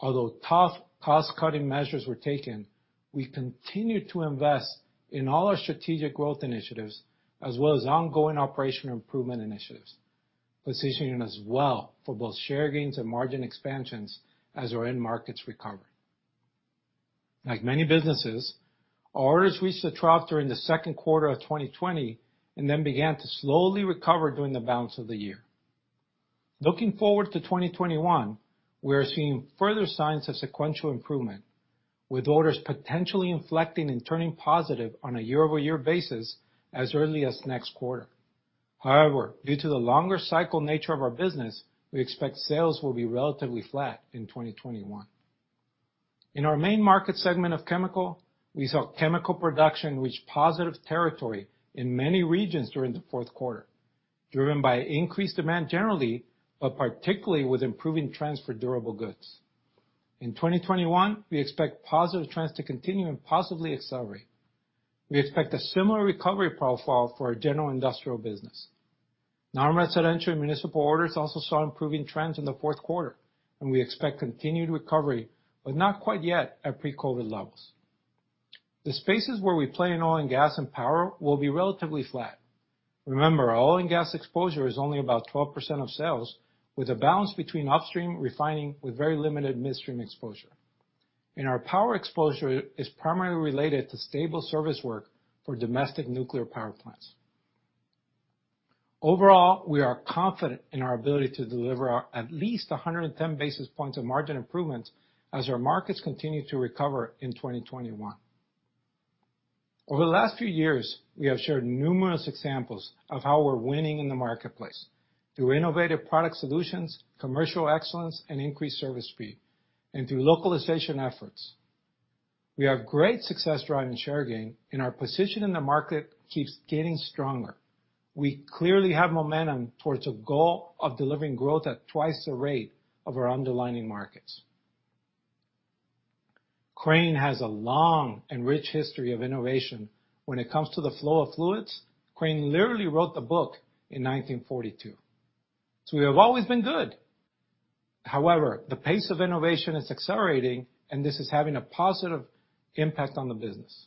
Although tough cost-cutting measures were taken, we continued to invest in all our strategic growth initiatives as well as ongoing operational improvement initiatives, positioning us well for both share gains and margin expansions as our end markets recover. Like many businesses, our orders reached a trough during the second quarter of 2020 and then began to slowly recover during the balance of the year. Looking forward to 2021, we are seeing further signs of sequential improvement, with orders potentially inflecting and turning positive on a year-over-year basis as early as next quarter. However, due to the longer cycle nature of our business, we expect sales will be relatively flat in 2021. In our main market segment of chemical, we saw chemical production reach positive territory in many regions during the fourth quarter, driven by increased demand generally, but particularly with improving trends for durable goods. In 2021, we expect positive trends to continue and possibly accelerate. We expect a similar recovery profile for our general industrial business. Non-residential and municipal orders also saw improving trends in the fourth quarter, and we expect continued recovery, but not quite yet at pre-COVID levels. The spaces where we play in oil and gas and power will be relatively flat. Remember, our oil and gas exposure is only about 12% of sales, with a balance between upstream refining with very limited midstream exposure. And our power exposure is primarily related to stable service work for domestic nuclear power plants. Overall, we are confident in our ability to deliver at least 110 basis points of margin improvement as our markets continue to recover in 2021. Over the last few years, we have shared numerous examples of how we're winning in the marketplace through innovative product solutions, commercial excellence, and increased service speed, and through localization efforts. We have great success driving share gain and our position in the market keeps getting stronger. We clearly have momentum towards a goal of delivering growth at twice the rate of our underlying markets. Crane has a long and rich history of innovation. When it comes to the flow of fluids, Crane literally wrote the book in 1942. We have always been good. However, the pace of innovation is accelerating, and this is having a positive impact on the business.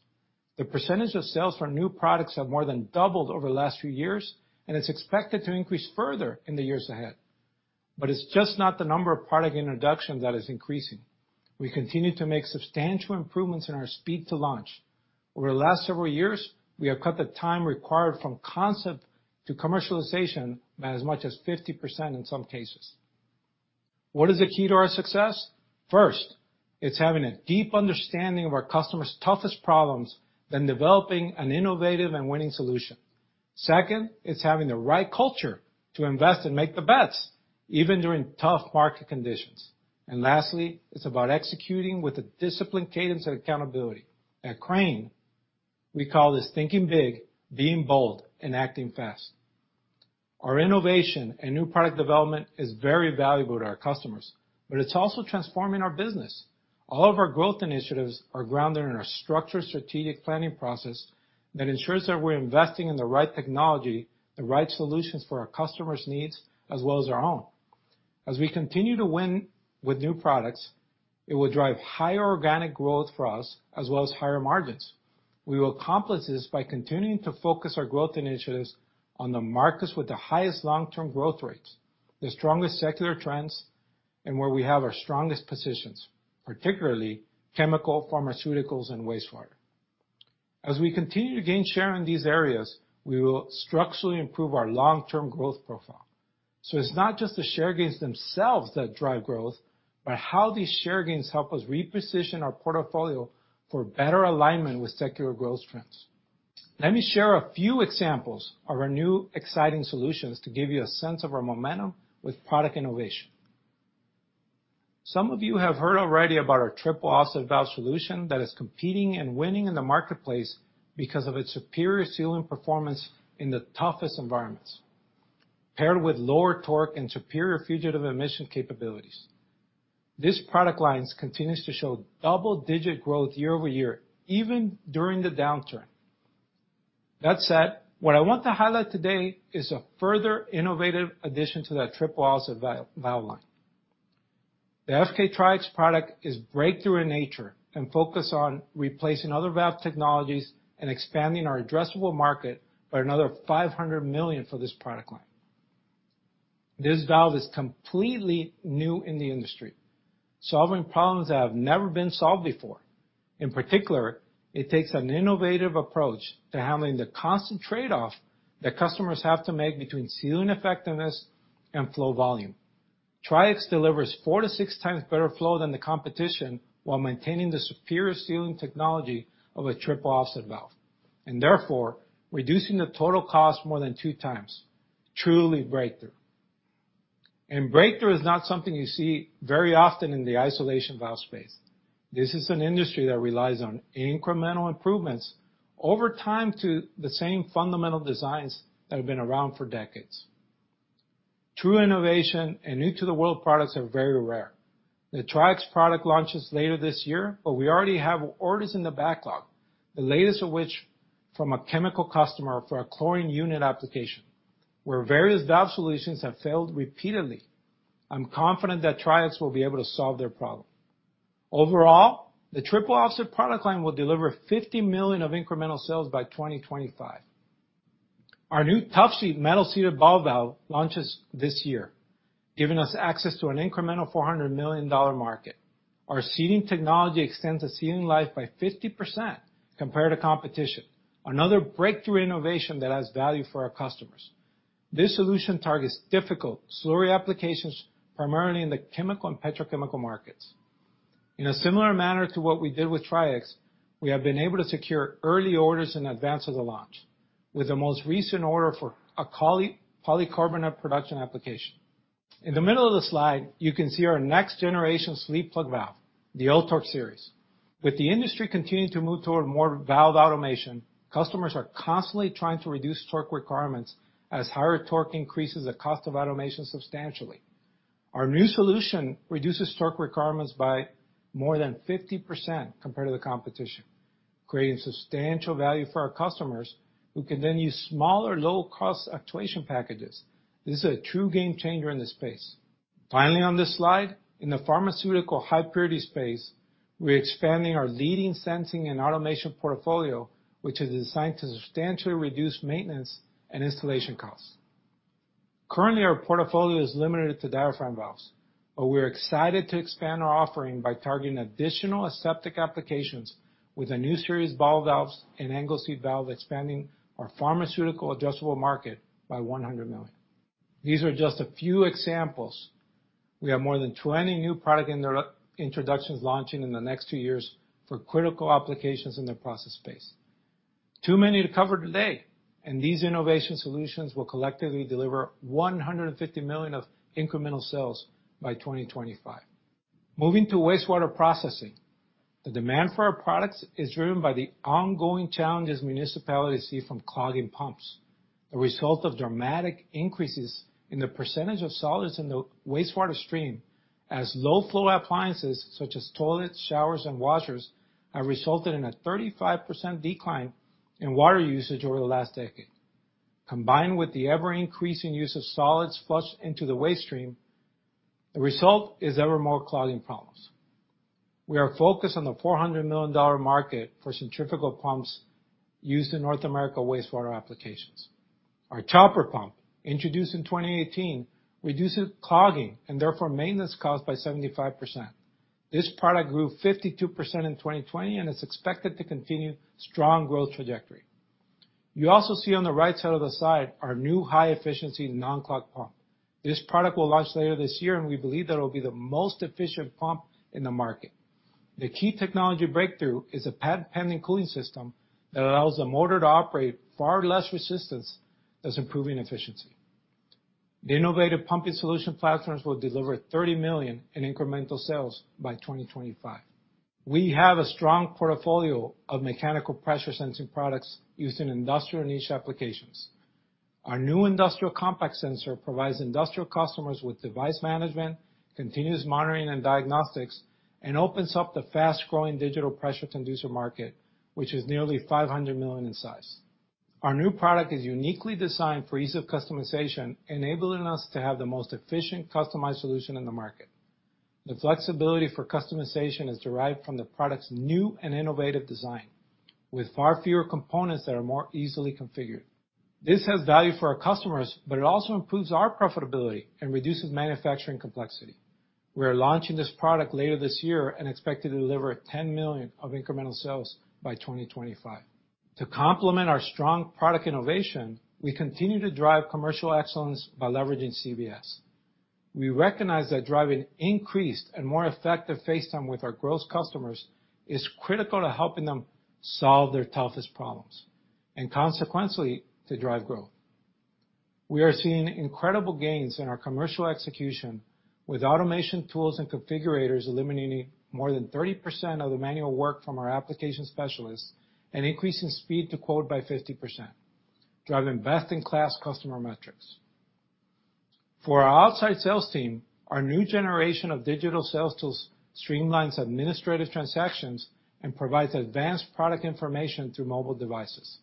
The percentage of sales for new products has more than doubled over the last few years. It's expected to increase further in the years ahead. It's just not the number of product introductions that is increasing. We continue to make substantial improvements in our speed to launch. Over the last several years, we have cut the time required from concept to commercialization by as much as 50% in some cases. What is the key to our success? First, it's having a deep understanding of our customers' toughest problems, then developing an innovative and winning solution. Second, it's having the right culture to invest and make the bets, even during tough market conditions. Lastly, it's about executing with a disciplined cadence and accountability. At Crane, we call this thinking big, being bold, and acting fast. Our innovation and new product development is very valuable to our customers, but it's also transforming our business. All of our growth initiatives are grounded in our structured strategic planning process that ensures that we're investing in the right technology, the right solutions for our customers' needs, as well as our own. As we continue to win with new products, it will drive higher organic growth for us as well as higher margins. We will accomplish this by continuing to focus our growth initiatives on the markets with the highest long-term growth rates, the strongest secular trends, and where we have our strongest positions, particularly chemical, pharmaceuticals, and wastewater. As we continue to gain share in these areas, we will structurally improve our long-term growth profile. It's not just the share gains themselves that drive growth, but how these share gains help us reposition our portfolio for better alignment with secular growth trends. Let me share a few examples of our new exciting solutions to give you a sense of our momentum with product innovation. Some of you have heard already about our triple offset valve solution that is competing and winning in the marketplace because of its superior sealing performance in the toughest environments, paired with lower torque and superior fugitive emission capabilities. These product lines continues to show double-digit growth year-over-year, even during the downturn. That said, what I want to highlight today is a further innovative addition to that triple offset valve line. The FK-TrieX product is breakthrough in nature and focused on replacing other valve technologies and expanding our addressable market by another $500 million for this product line. This valve is completely new in the industry, solving problems that have never been solved before. In particular, it takes an innovative approach to handling the constant trade-off that customers have to make between sealing effectiveness and flow volume. TrieX delivers four to six times better flow than the competition while maintaining the superior sealing technology of a triple offset valve, and therefore, reducing the total cost more than two times. Truly breakthrough. Breakthrough is not something you see very often in the isolation valve space. This is an industry that relies on incremental improvements over time to the same fundamental designs that have been around for decades. True innovation and new to the world products are very rare. The TrieX product launches later this year. We already have orders in the backlog, the latest of which from a chemical customer for a chlorine unit application, where various valve solutions have failed repeatedly. I'm confident that TrieX will be able to solve their problem. Overall, the triple offset product line will deliver $50 million of incremental sales by 2025. Our new TUFSEAT metal seated ball valve launches this year, giving us access to an incremental $400 million market. Our seating technology extends the seating life by 50% compared to competition. Another breakthrough innovation that has value for our customers. This solution targets difficult slurry applications, primarily in the chemical and petrochemical markets. In a similar manner to what we did with TrieX, we have been able to secure early orders in advance of the launch, with the most recent order for a polycarbonate production application. In the middle of the slide, you can see our next generation sleeve plug valve, the L-TORQ series. With the industry continuing to move toward more valve automation, customers are constantly trying to reduce torque requirements as higher torque increases the cost of automation substantially. Our new solution reduces torque requirements by more than 50% compared to the competition, creating substantial value for our customers who can then use smaller, low-cost actuation packages. This is a true game changer in this space. Finally, on this slide, in the pharmaceutical high purity space, we're expanding our leading sensing and automation portfolio, which is designed to substantially reduce maintenance and installation costs. Currently, our portfolio is limited to diaphragm valves, but we're excited to expand our offering by targeting additional aseptic applications with our new series ball valves and angle seat valves, expanding our pharmaceutical addressable market by $100 million. These are just a few examples. We have more than 20 new product introductions launching in the next two years for critical applications in the process space. Too many to cover today, and these innovation solutions will collectively deliver $150 million of incremental sales by 2025. Moving to wastewater processing. The demand for our products is driven by the ongoing challenges municipalities see from clogging pumps, the result of dramatic increases in the percentage of solids in the wastewater stream, as low-flow appliances such as toilets, showers, and washers have resulted in a 35% decline in water usage over the last decade. Combined with the ever-increasing use of solids flushed into the waste stream, the result is ever more clogging problems. We are focused on the $400 million market for centrifugal pumps used in North America wastewater applications. Our chopper pump, introduced in 2018, reduces clogging and therefore maintenance cost by 75%. This product grew 52% in 2020 and is expected to continue strong growth trajectory. You also see on the right side of the slide our new high-efficiency non-clog pump. This product will launch later this year. We believe that it will be the most efficient pump in the market. The key technology breakthrough is a patent-pending cooling system that allows the motor to operate far less resistance, thus improving efficiency. The innovative pumping solution platforms will deliver $30 million in incremental sales by 2025. We have a strong portfolio of mechanical pressure sensing products used in industrial niche applications. Our new Industrial Compact Sensor provides industrial customers with device management, continuous monitoring and diagnostics, and opens up the fast-growing digital pressure transducer market, which is nearly $500 million in size. Our new product is uniquely designed for ease of customization, enabling us to have the most efficient customized solution in the market. The flexibility for customization is derived from the product's new and innovative design, with far fewer components that are more easily configured. This has value for our customers, it also improves our profitability and reduces manufacturing complexity. We are launching this product later this year and expect to deliver $10 million of incremental sales by 2025. To complement our strong product innovation, we continue to drive commercial excellence by leveraging CBS. We recognize that driving increased and more effective face time with our growth customers is critical to helping them solve their toughest problems, and consequently, to drive growth. We are seeing incredible gains in our commercial execution with automation tools and configurators eliminating more than 30% of the manual work from our application specialists and increasing speed to quote by 50%, driving best-in-class customer metrics. For our outside sales team, our new generation of digital sales tools streamlines administrative transactions and provides advanced product information through mobile devices.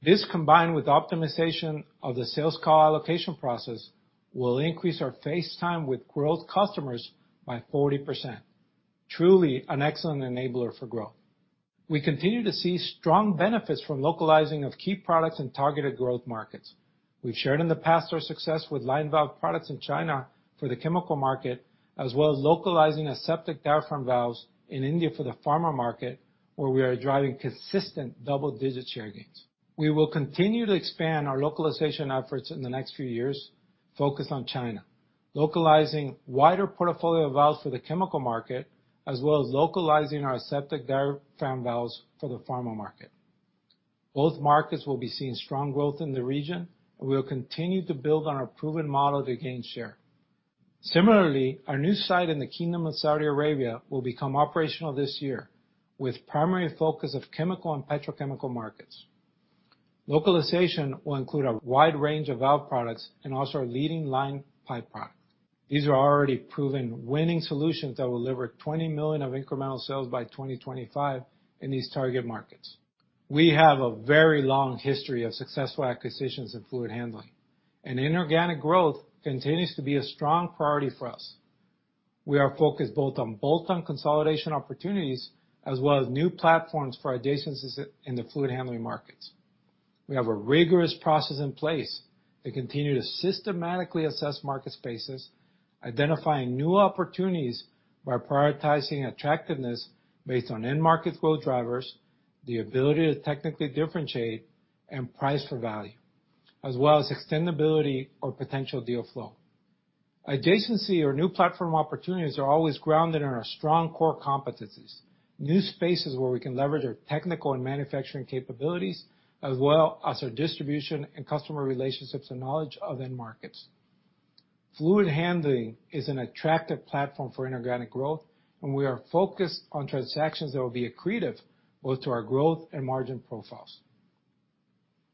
This, combined with optimization of the sales call allocation process, will increase our face time with growth customers by 40%. Truly an excellent enabler for growth. We continue to see strong benefits from localizing of key products in targeted growth markets. We've shared in the past our success with line valve products in China for the chemical market, as well as localizing aseptic diaphragm valves in India for the pharma market, where we are driving consistent double-digit share gains. We will continue to expand our localization efforts in the next few years, focused on China, localizing wider portfolio valves for the chemical market, as well as localizing our aseptic diaphragm valves for the pharma market. Both markets will be seeing strong growth in the region, and we will continue to build on our proven model to gain share. Similarly, our new site in the Kingdom of Saudi Arabia will become operational this year, with primary focus of chemical and petrochemical markets. Localization will include a wide range of valve products and also our leading line pipe product. These are already proven winning solutions that will deliver $20 million of incremental sales by 2025 in these target markets. We have a very long history of successful acquisitions in Fluid Handling, and inorganic growth continues to be a strong priority for us. We are focused both on bolt-on consolidation opportunities as well as new platforms for adjacencies in the fluid handling markets. We have a rigorous process in place to continue to systematically assess market spaces, identifying new opportunities by prioritizing attractiveness based on end market growth drivers, the ability to technically differentiate, and price for value, as well as extendability or potential deal flow. Adjacency or new platform opportunities are always grounded in our strong core competencies, new spaces where we can leverage our technical and manufacturing capabilities, as well as our distribution and customer relationships and knowledge of end markets. Fluid handling is an attractive platform for inorganic growth, and we are focused on transactions that will be accretive both to our growth and margin profiles.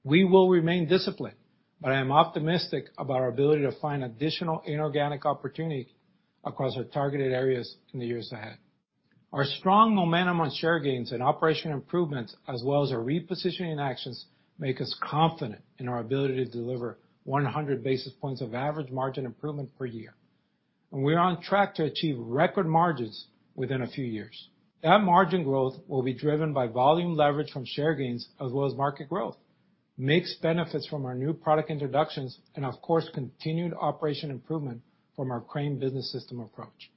We will remain disciplined, but I am optimistic about our ability to find additional inorganic opportunity across our targeted areas in the years ahead. Our strong momentum on share gains and operational improvements, as well as our repositioning actions, make us confident in our ability to deliver 100 basis points of average margin improvement per year. We are on track to achieve record margins within a few years. That margin growth will be driven by volume leverage from share gains as well as market growth, mixed benefits from our new product introductions, and of course, continued operation improvement from our Crane Business System approach.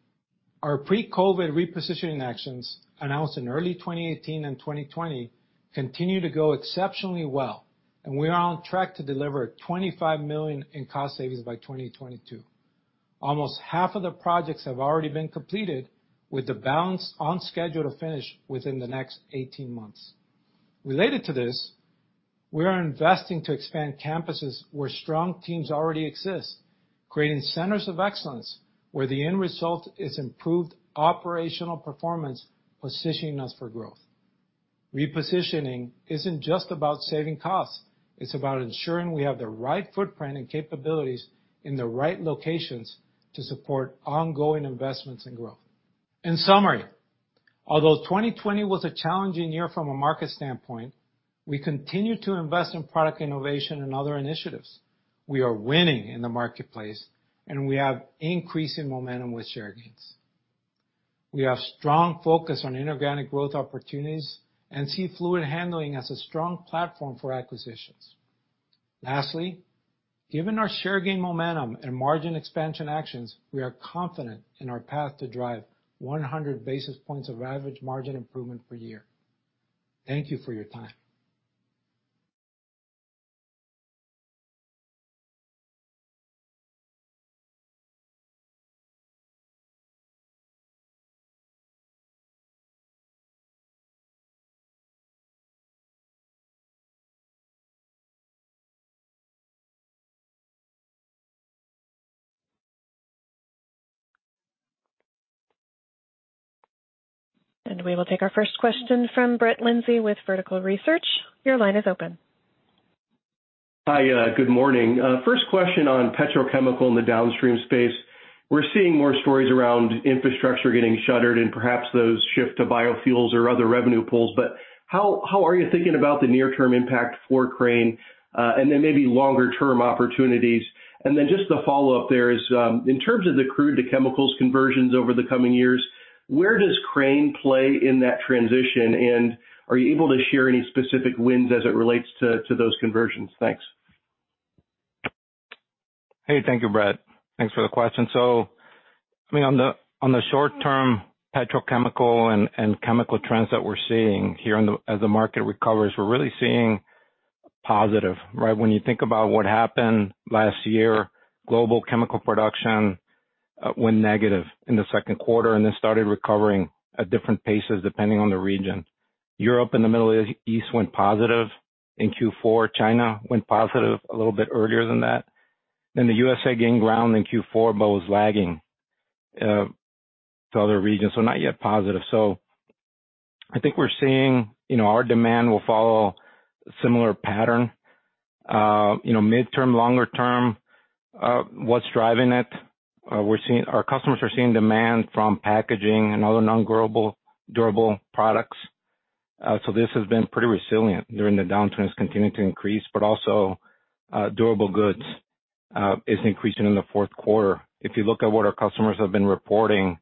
Our pre-COVID repositioning actions, announced in early 2018 and 2020, continue to go exceptionally well, and we are on track to deliver $25 million in cost savings by 2022. Almost half of the projects have already been completed, with the balance on schedule to finish within the next 18 months. Related to this, we are investing to expand campuses where strong teams already exist, creating centers of excellence, where the end result is improved operational performance, positioning us for growth. Repositioning isn't just about saving costs. It's about ensuring we have the right footprint and capabilities in the right locations to support ongoing investments and growth. In summary, although 2020 was a challenging year from a market standpoint, we continue to invest in product innovation and other initiatives. We are winning in the marketplace, and we have increasing momentum with share gains. We have strong focus on inorganic growth opportunities and see fluid handling as a strong platform for acquisitions. Lastly, given our share gain momentum and margin expansion actions, we are confident in our path to drive 100 basis points of average margin improvement per year. Thank you for your time. We will take our first question from Brett Linzey with Vertical Research. Your line is open. Hi. Good morning. First question on petrochemical in the downstream space. We're seeing more stories around infrastructure getting shuttered and perhaps those shift to biofuels or other revenue pools. How are you thinking about the near-term impact for Crane and then maybe longer-term opportunities? Just the follow-up there is, in terms of the crude to chemicals conversions over the coming years, where does Crane play in that transition? Are you able to share any specific wins as it relates to those conversions? Thanks. Hey, thank you, Brett. Thanks for the question. I mean, on the short term, petrochemical and chemical trends that we're seeing here as the market recovers, we're really seeing positive, right? When you think about what happened last year, global chemical production went negative in the second quarter and then started recovering at different paces depending on the region. Europe and the Middle East went positive in Q4. China went positive a little bit earlier than that. The USA gained ground in Q4, but was lagging to other regions, so not yet positive. I think we're seeing our demand will follow a similar pattern. Midterm, longer term, what's driving it? Our customers are seeing demand from packaging and other non-durable products. This has been pretty resilient during the downturn. It's continuing to increase, but also durable goods is increasing in the fourth quarter. If you look at what our customers have been reporting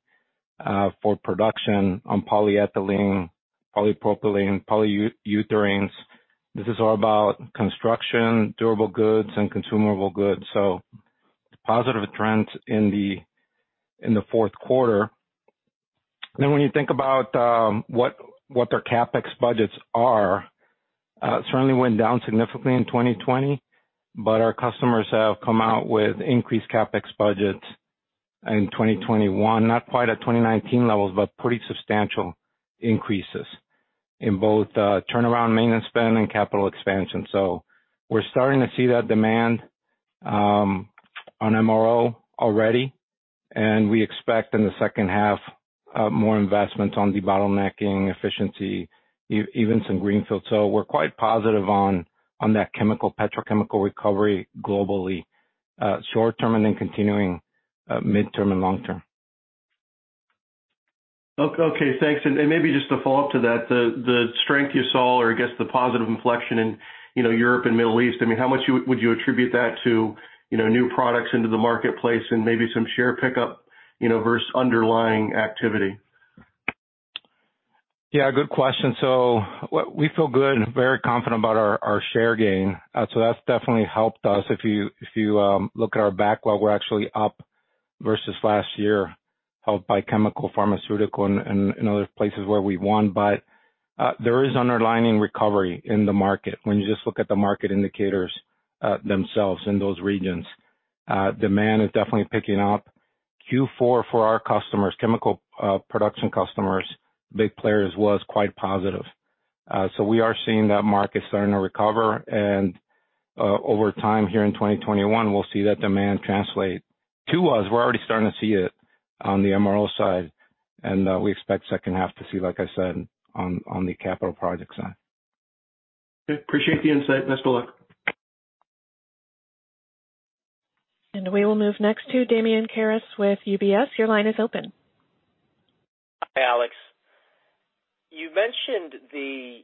for production on polyethylene, polypropylene, polyurethanes, this is all about construction, durable goods, and consumable goods. Positive trends in the fourth quarter. When you think about what their CapEx budgets are, it certainly went down significantly in 2020, but our customers have come out with increased CapEx budgets in 2021, not quite at 2019 levels, but pretty substantial increases in both turnaround maintenance spend and capital expansion. We're starting to see that demand on MRO already, and we expect in the second half more investments on debottlenecking efficiency, even some greenfield. We're quite positive on that chemical, petrochemical recovery globally, short-term and then continuing midterm and long-term. Okay, thanks. Maybe just to follow up to that, the strength you saw or I guess the positive inflection in Europe and Middle East, I mean, how much would you attribute that to new products into the marketplace and maybe some share pickup versus underlying activity? Yeah, good question. We feel good and very confident about our share gain. That's definitely helped us. If you look at our backlog, we're actually up versus last year, helped by chemical, pharmaceutical, and other places where we won. There is underlying recovery in the market. When you just look at the market indicators themselves in those regions, demand is definitely picking up Q4 for our customers, chemical production customers, big players, was quite positive. We are seeing that market starting to recover and over time here in 2021, we'll see that demand translate to us. We're already starting to see it on the MRO side, and we expect second half to see, like I said, on the capital project side. Okay. Appreciate the insight. Best of luck. We will move next to Damian Karas with UBS. Your line is open. Hi, Alex. You mentioned the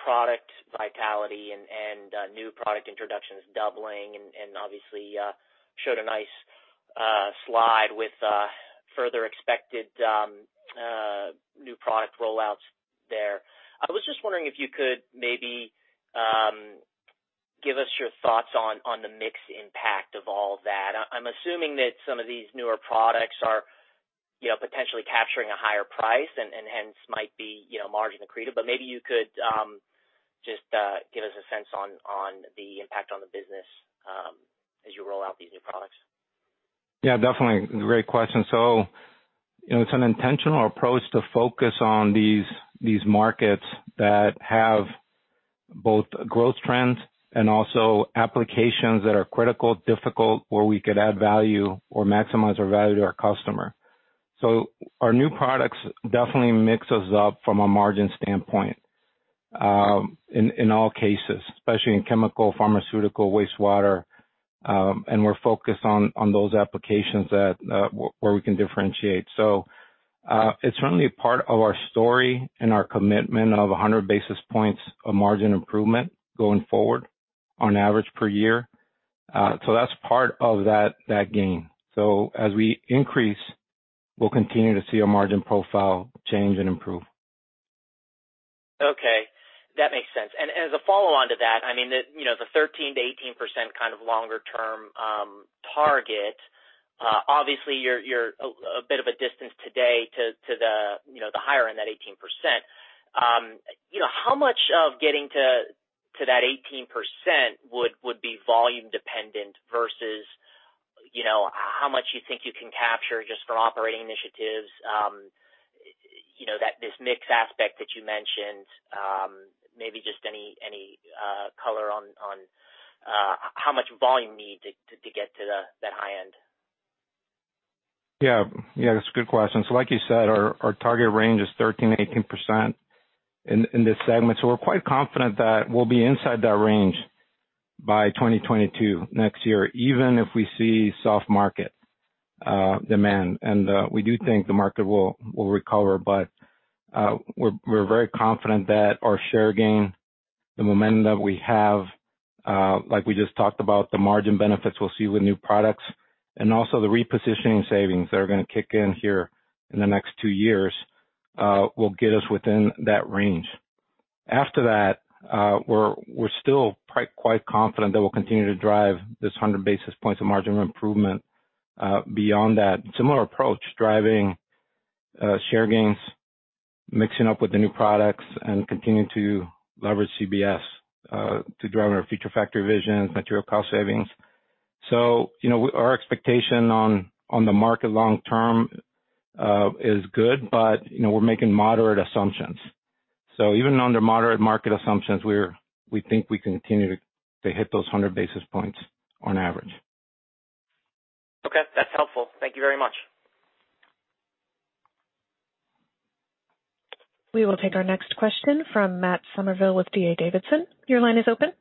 product vitality and new product introductions doubling, and obviously showed a nice slide with further expected new product rollouts there. I was just wondering if you could maybe give us your thoughts on the mix impact of all of that. I'm assuming that some of these newer products are potentially capturing a higher price and hence might be margin accretive, but maybe you could just give us a sense on the impact on the business as you roll out these new products. Yeah, definitely. Great question. It's an intentional approach to focus on these markets that have both growth trends and also applications that are critical, difficult, where we could add value or maximize our value to our customer. Our new products definitely mix us up from a margin standpoint, in all cases, especially in chemical, pharmaceutical, wastewater. We're focused on those applications where we can differentiate. It's certainly a part of our story and our commitment of 100 basis points of margin improvement going forward on average per year. That's part of that gain. As we increase, we'll continue to see our margin profile change and improve. Okay. That makes sense. As a follow-on to that, I mean, the 13%-18% kind of longer-term target, obviously you're a bit of a distance today to the higher end, that 18%. How much of getting to that 18% would be volume dependent versus how much you think you can capture just from operating initiatives? This mix aspect that you mentioned, maybe just any color on how much volume you need to get to that high end. Yeah. That's a good question. Like you said, our target range is 13%-18% in this segment. We're quite confident that we'll be inside that range by 2022, next year, even if we see soft market demand. We do think the market will recover, but we're very confident that our share gain, the momentum that we have, like we just talked about, the margin benefits we'll see with new products, and also the repositioning savings that are going to kick in here in the next two years, will get us within that range. After that, we're still quite confident that we'll continue to drive this 100 basis points of margin improvement. Beyond that, similar approach, driving share gains, mixing up with the new products, and continuing to leverage CBS to drive our future factory visions, material cost savings. Our expectation on the market long term is good, but we're making moderate assumptions. Even under moderate market assumptions, we think we continue to hit those 100 basis points on average. Okay. That's helpful. Thank you very much. We will take our next question from Matt Summerville with D.A. Davidson. Your line is open.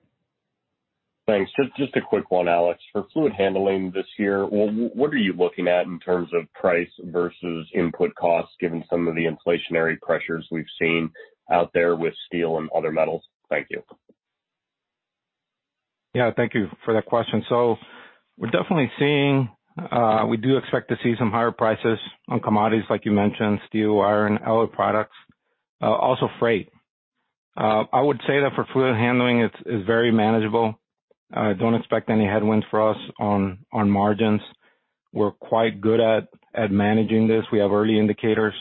Thanks. Just a quick one, Alex. For Fluid Handling this year, what are you looking at in terms of price versus input costs, given some of the inflationary pressures we've seen out there with steel and other metals? Thank you. Yeah. Thank you for that question. We do expect to see some higher prices on commodities like you mentioned, steel, iron, alloy products. Also freight. I would say that for fluid handling, it's very manageable. I don't expect any headwinds for us on margins. We're quite good at managing this. We have early indicators.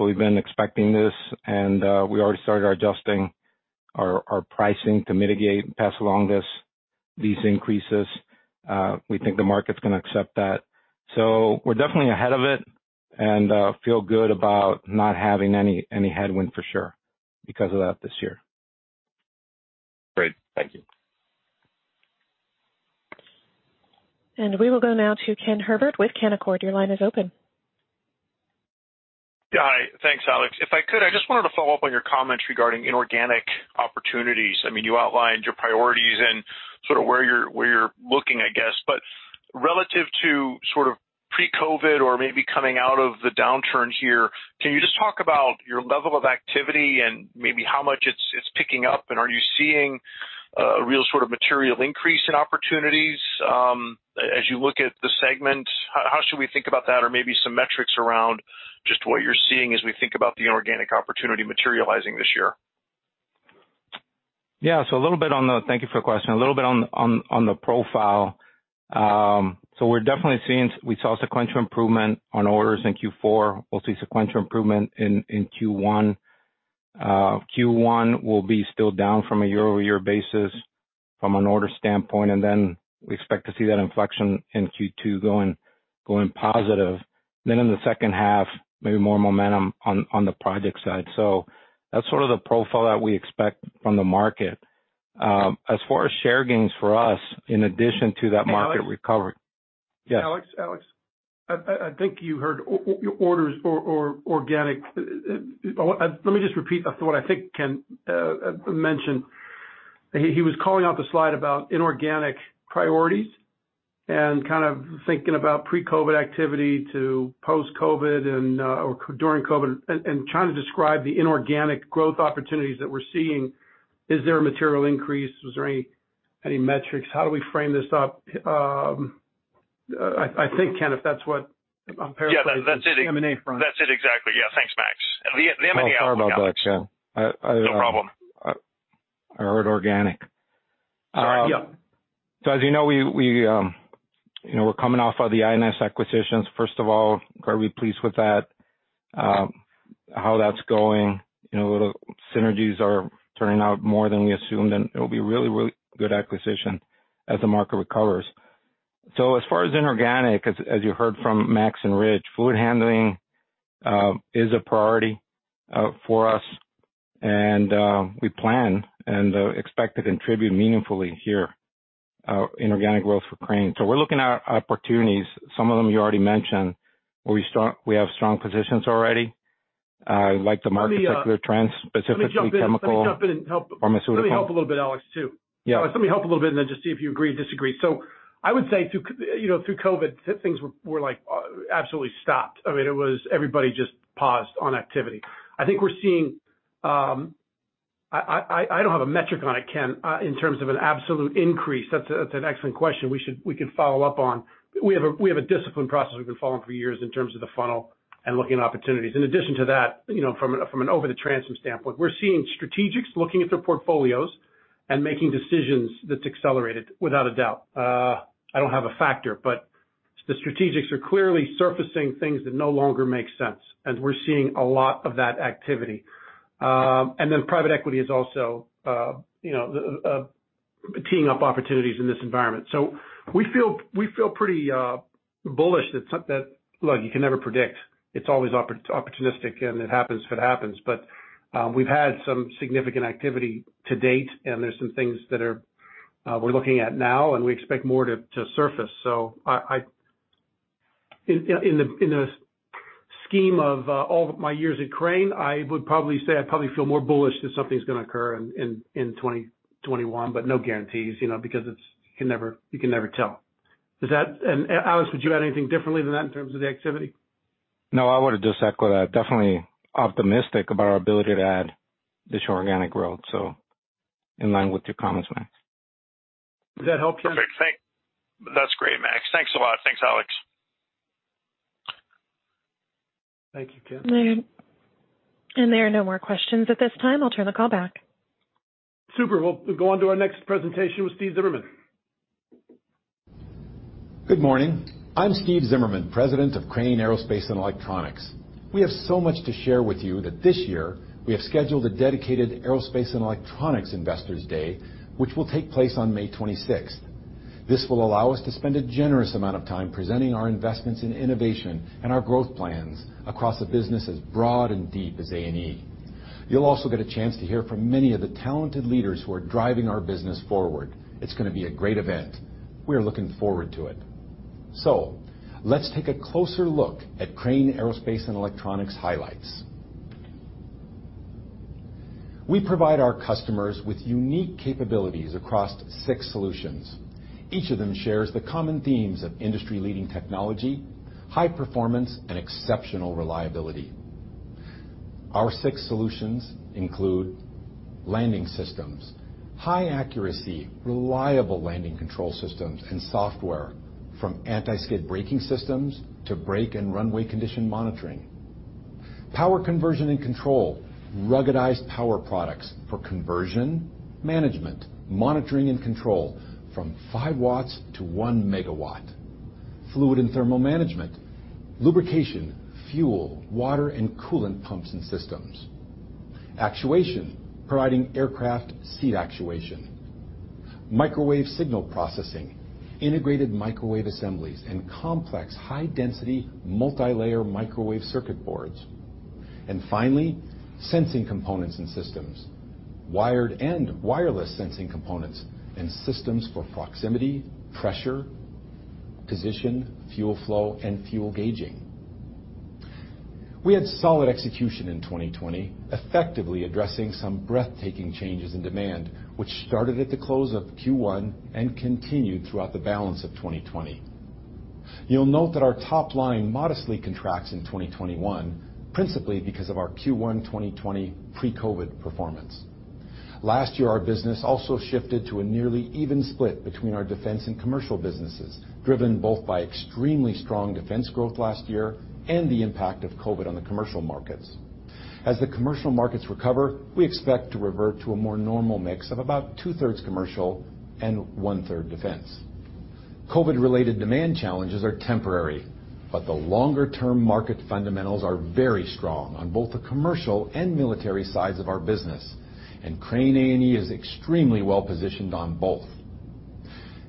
We've been expecting this, and we already started adjusting our pricing to mitigate and pass along these increases. We think the market's going to accept that. We're definitely ahead of it and feel good about not having any headwind for sure because of that this year. Great. Thank you. We will go now to Ken Herbert with Canaccord. Your line is open. Hi. Thanks, Alex. If I could, I just wanted to follow up on your comments regarding inorganic opportunities. You outlined your priorities and sort of where you're looking, I guess. Relative to sort of pre-COVID or maybe coming out of the downturn here, can you just talk about your level of activity and maybe how much it's picking up, and are you seeing a real sort of material increase in opportunities as you look at the segment? How should we think about that? Maybe some metrics around just what you're seeing as we think about the inorganic opportunity materializing this year. Thank you for the question. A little bit on the profile. We saw sequential improvement on orders in Q4. We'll see sequential improvement in Q1. Q1 will be still down from a year-over-year basis from an order standpoint, we expect to see that inflection in Q2 going positive. In the second half, maybe more momentum on the project side. That's sort of the profile that we expect from the market. As far as share gains for us, in addition to that market recovery. Hey, Alex? Yes. Alex? I think you heard orders or organic. Let me just repeat what I think Ken mentioned. He was calling out the slide about inorganic priorities and kind of thinking about pre-COVID activity to post-COVID or during COVID, and trying to describe the inorganic growth opportunities that we're seeing. Is there a material increase? Was there any metrics? How do we frame this up? I think, Ken, if that's what I'm paraphrasing. Yeah, that's it. from the M&A front. That's it exactly. Yeah. Thanks, Max. The M&A outcome. Oh, sorry about that, Ken. No problem. I heard organic. Sorry. Yeah. As you know, we're coming off of the INS acquisitions. First of all, are we pleased with that, how that's going? Synergies are turning out more than we assumed, and it'll be a really, really good acquisition as the market recovers. As far as inorganic, as you heard from Max and Rich, Fluid Handling is a priority for us and we plan and expect to contribute meaningfully here, inorganic growth for Crane. We're looking at opportunities. Some of them you already mentioned, where we have strong positions already, like the market secular trends, specifically chemical. Let me jump in. or pharmaceutical Let me help a little bit, Alex, too. Yeah. Let me help a little bit and then just see if you agree or disagree. I would say through COVID, things were absolutely stopped. I mean, it was everybody just paused on activity. I don't have a metric on it, Ken, in terms of an absolute increase. That's an excellent question we can follow up on. We have a disciplined process we've been following for years in terms of the funnel and looking at opportunities. In addition to that, from an over-the-transom standpoint, we're seeing strategics looking at their portfolios and making decisions that's accelerated, without a doubt. The strategics are clearly surfacing things that no longer make sense, and we're seeing a lot of that activity. Private equity is also teeing up opportunities in this environment. We feel pretty bullish. Look, you can never predict. It's always opportunistic, and it happens if it happens. We've had some significant activity to date, and there's some things that we're looking at now, and we expect more to surface. In the scheme of all of my years at Crane, I would probably say I probably feel more bullish that something's going to occur in 2021, but no guarantees, because you can never tell. Alex, would you add anything differently than that in terms of the activity? No, I would just echo that. Definitely optimistic about our ability to add this organic growth, so in line with your comments, Max. Does that help, Ken? That's great, Max. Thanks a lot. Thanks, Alex. Thank you, Ken. There are no more questions at this time. I'll turn the call back. Super. We'll go on to our next presentation with Stephen Zimmerman. Good morning. I'm Steve Zimmerman, President of Crane Aerospace & Electronics. We have so much to share with you that this year, we have scheduled a dedicated Aerospace & Electronics Investors Day, which will take place on May 26th. This will allow us to spend a generous amount of time presenting our investments in innovation and our growth plans across a business as broad and deep as A&E. You'll also get a chance to hear from many of the talented leaders who are driving our business forward. It's going to be a great event. We're looking forward to it. Let's take a closer look at Crane Aerospace & Electronics highlights. We provide our customers with unique capabilities across six solutions. Each of them shares the common themes of industry-leading technology, high performance, and exceptional reliability. Our six solutions include landing systems, high accuracy, reliable landing control systems and software from anti-skid braking systems to brake and runway condition monitoring. Power conversion and control, ruggedized power products for conversion, management, monitoring, and control from 5 watts to 1 MW. Fluid and thermal management, lubrication, fuel, water, and coolant pumps and systems. Actuation, providing aircraft seat actuation. Microwave signal processing, integrated microwave assemblies, and complex high-density multilayer microwave circuit boards. Finally, sensing components and systems, wired and wireless sensing components and systems for proximity, pressure, position, fuel flow, and fuel gauging. We had solid execution in 2020, effectively addressing some breathtaking changes in demand, which started at the close of Q1 and continued throughout the balance of 2020. You'll note that our top line modestly contracts in 2021, principally because of our Q1 2020 pre-COVID performance. Last year, our business also shifted to a nearly even split between our defense and commercial businesses, driven both by extremely strong defense growth last year and the impact of COVID on the commercial markets. As the commercial markets recover, we expect to revert to a more normal mix of about two-thirds commercial and one-third defense. The longer-term market fundamentals are very strong on both the commercial and military sides of our business, and Crane A&E is extremely well-positioned on both.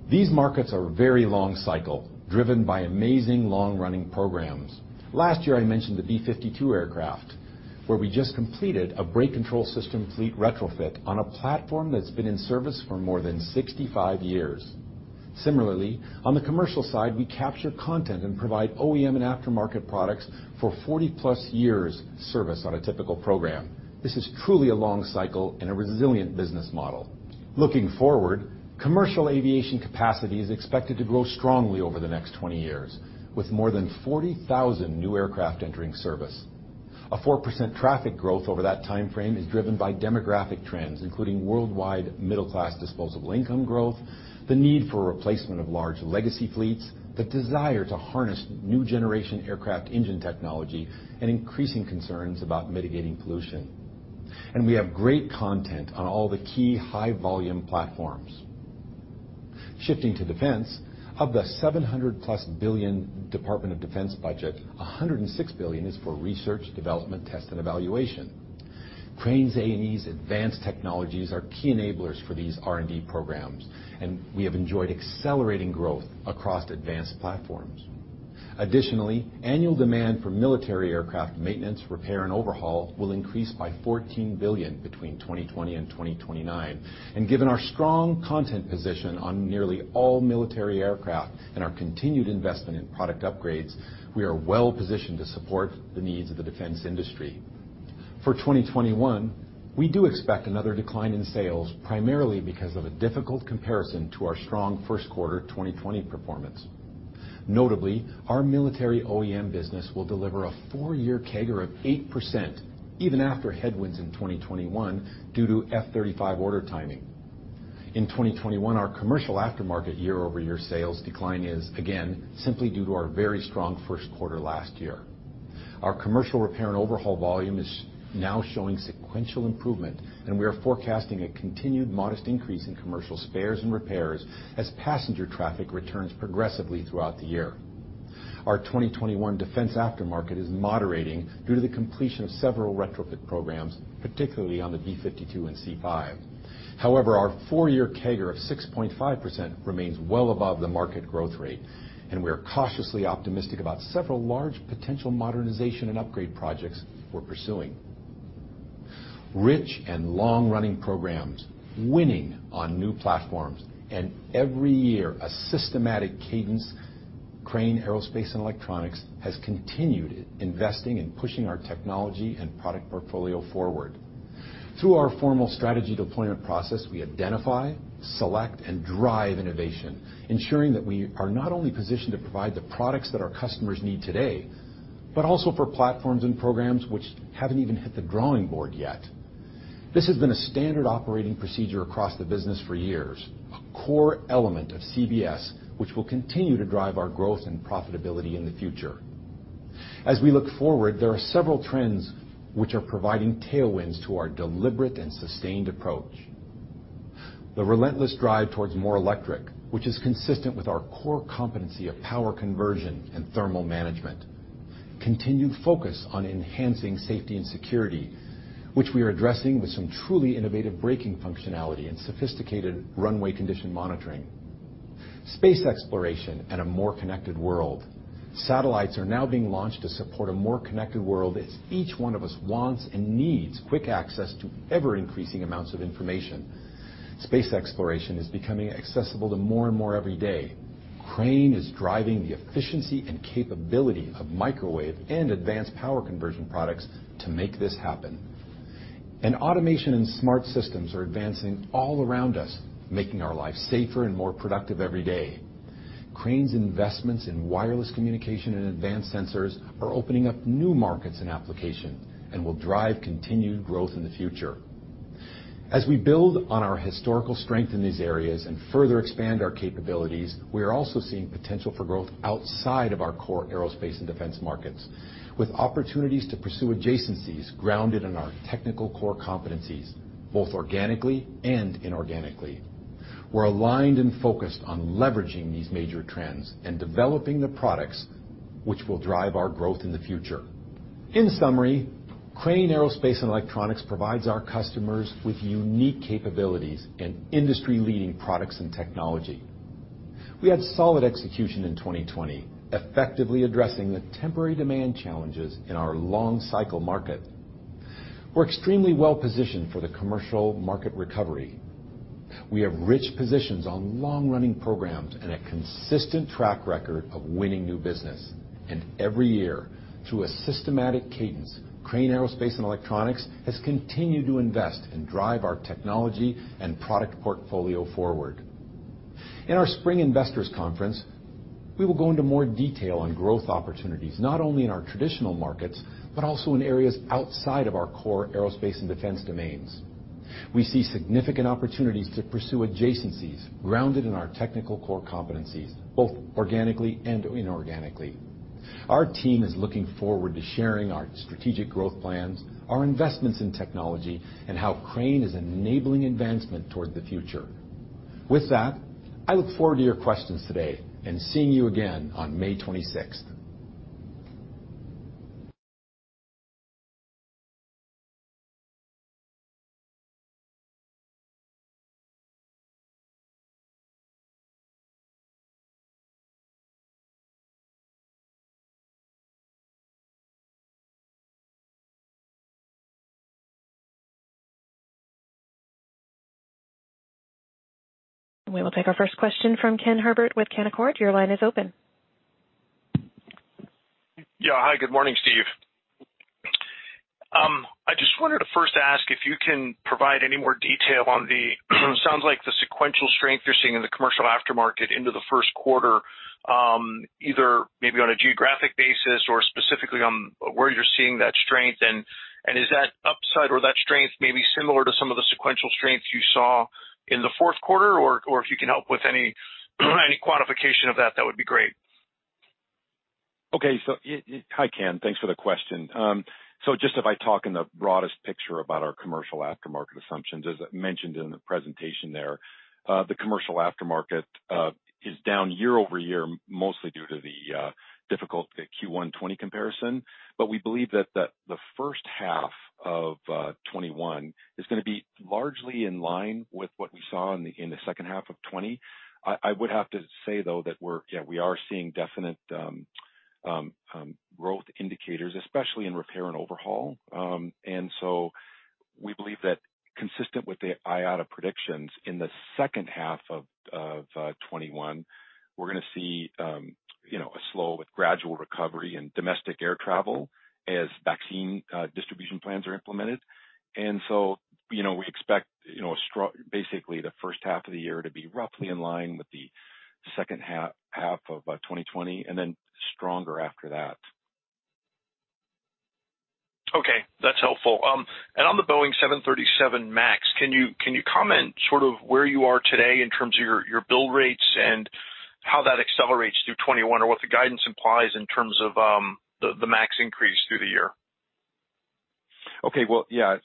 These markets are very long cycle, driven by amazing long-running programs. Last year, I mentioned the B-52 aircraft, where we just completed a brake control system fleet retrofit on a platform that's been in service for more than 65 years. Similarly, on the commercial side, we capture content and provide OEM and aftermarket products for 40+ years' service on a typical program. This is truly a long cycle and a resilient business model. Looking forward, commercial aviation capacity is expected to grow strongly over the next 20 years, with more than 40,000 new aircraft entering service. A 4% traffic growth over that timeframe is driven by demographic trends, including worldwide middle-class disposable income growth, the need for replacement of large legacy fleets, the desire to harness new generation aircraft engine technology, and increasing concerns about mitigating pollution. We have great content on all the key high-volume platforms. Shifting to defense, of the $700-plus billion Department of Defense budget, $106 billion is for research, development, test, and evaluation. Crane's A&E's advanced technologies are key enablers for these R&D programs, and we have enjoyed accelerating growth across advanced platforms. Additionally, annual demand for military aircraft maintenance, repair, and overhaul will increase by $14 billion between 2020 and 2029. Given our strong content position on nearly all military aircraft and our continued investment in product upgrades, we are well-positioned to support the needs of the defense industry. For 2021, we do expect another decline in sales, primarily because of a difficult comparison to our strong first quarter 2020 performance. Notably, our military OEM business will deliver a 4-year CAGR of 8%, even after headwinds in 2021 due to F-35 order timing. In 2021, our commercial aftermarket year-over-year sales decline is, again, simply due to our very strong first quarter last year. Our commercial repair and overhaul volume is now showing sequential improvement. We are forecasting a continued modest increase in commercial spares and repairs as passenger traffic returns progressively throughout the year. Our 2021 defense aftermarket is moderating due to the completion of several retrofit programs, particularly on the B-52 and C-5. However, our four-year CAGR of 6.5% remains well above the market growth rate, and we are cautiously optimistic about several large potential modernization and upgrade projects we're pursuing. Rich and long-running programs, winning on new platforms, and every year, a systematic cadence, Crane Aerospace & Electronics has continued investing and pushing our technology and product portfolio forward. Through our formal strategy deployment process, we identify, select, and drive innovation, ensuring that we are not only positioned to provide the products that our customers need today, but also for platforms and programs which haven't even hit the drawing board yet. This has been a standard operating procedure across the business for years, a core element of CBS, which will continue to drive our growth and profitability in the future. As we look forward, there are several trends which are providing tailwinds to our deliberate and sustained approach. The relentless drive towards more electric, which is consistent with our core competency of power conversion and thermal management. Continued focus on enhancing safety and security, which we are addressing with some truly innovative braking functionality and sophisticated runway condition monitoring. Space exploration and a more connected world. Satellites are now being launched to support a more connected world as each one of us wants and needs quick access to ever-increasing amounts of information. Space exploration is becoming accessible to more and more every day. Crane is driving the efficiency and capability of microwave and advanced power conversion products to make this happen. Automation and smart systems are advancing all around us, making our lives safer and more productive every day. Crane's investments in wireless communication and advanced sensors are opening up new markets and applications and will drive continued growth in the future. As we build on our historical strength in these areas and further expand our capabilities, we are also seeing potential for growth outside of our core aerospace and defense markets, with opportunities to pursue adjacencies grounded in our technical core competencies, both organically and inorganically. We're aligned and focused on leveraging these major trends and developing the products which will drive our growth in the future. In summary, Crane Aerospace & Electronics provides our customers with unique capabilities and industry-leading products and technology. We had solid execution in 2020, effectively addressing the temporary demand challenges in our long-cycle market. We're extremely well-positioned for the commercial market recovery. We have rich positions on long-running programs and a consistent track record of winning new business. Every year, through a systematic cadence, Crane Aerospace & Electronics has continued to invest and drive our technology and product portfolio forward. In our spring investors conference, we will go into more detail on growth opportunities, not only in our traditional markets, but also in areas outside of our core aerospace and defense domains. We see significant opportunities to pursue adjacencies grounded in our technical core competencies, both organically and inorganically. Our team is looking forward to sharing our strategic growth plans, our investments in technology, and how Crane is enabling advancement toward the future. With that, I look forward to your questions today and seeing you again on May 26th. We will take our first question from Ken Herbert with Canaccord. Your line is open. Yeah. Hi, good morning, Steve. I just wanted to first ask if you can provide any more detail on the sounds like the sequential strength you're seeing in the commercial aftermarket into the first quarter, either maybe on a geographic basis or specifically on where you're seeing that strength. Is that upside or that strength maybe similar to some of the sequential strengths you saw in the fourth quarter, or if you can help with any quantification of that would be great. Hi, Ken. Thanks for the question. Just if I talk in the broadest picture about our commercial aftermarket assumptions, as I mentioned in the presentation there, the commercial aftermarket is down year-over-year, mostly due to the difficult Q1 2020 comparison. We believe that the first half of 2021 is going to be largely in line with what we saw in the second half of 2020. I would have to say, though, that we are seeing definite growth indicators, especially in repair and overhaul. We believe that consistent with the IATA predictions, in the second half of 2021, we're going to see a slow with gradual recovery in domestic air travel as vaccine distribution plans are implemented. We expect basically the first half of the year to be roughly in line with the second half of 2020, and then stronger after that. Okay. That's helpful. On the Boeing 737 MAX, can you comment sort of where you are today in terms of your build rates and how that accelerates through 2021, or what the guidance implies in terms of the MAX increase through the year? Okay. Well, yeah,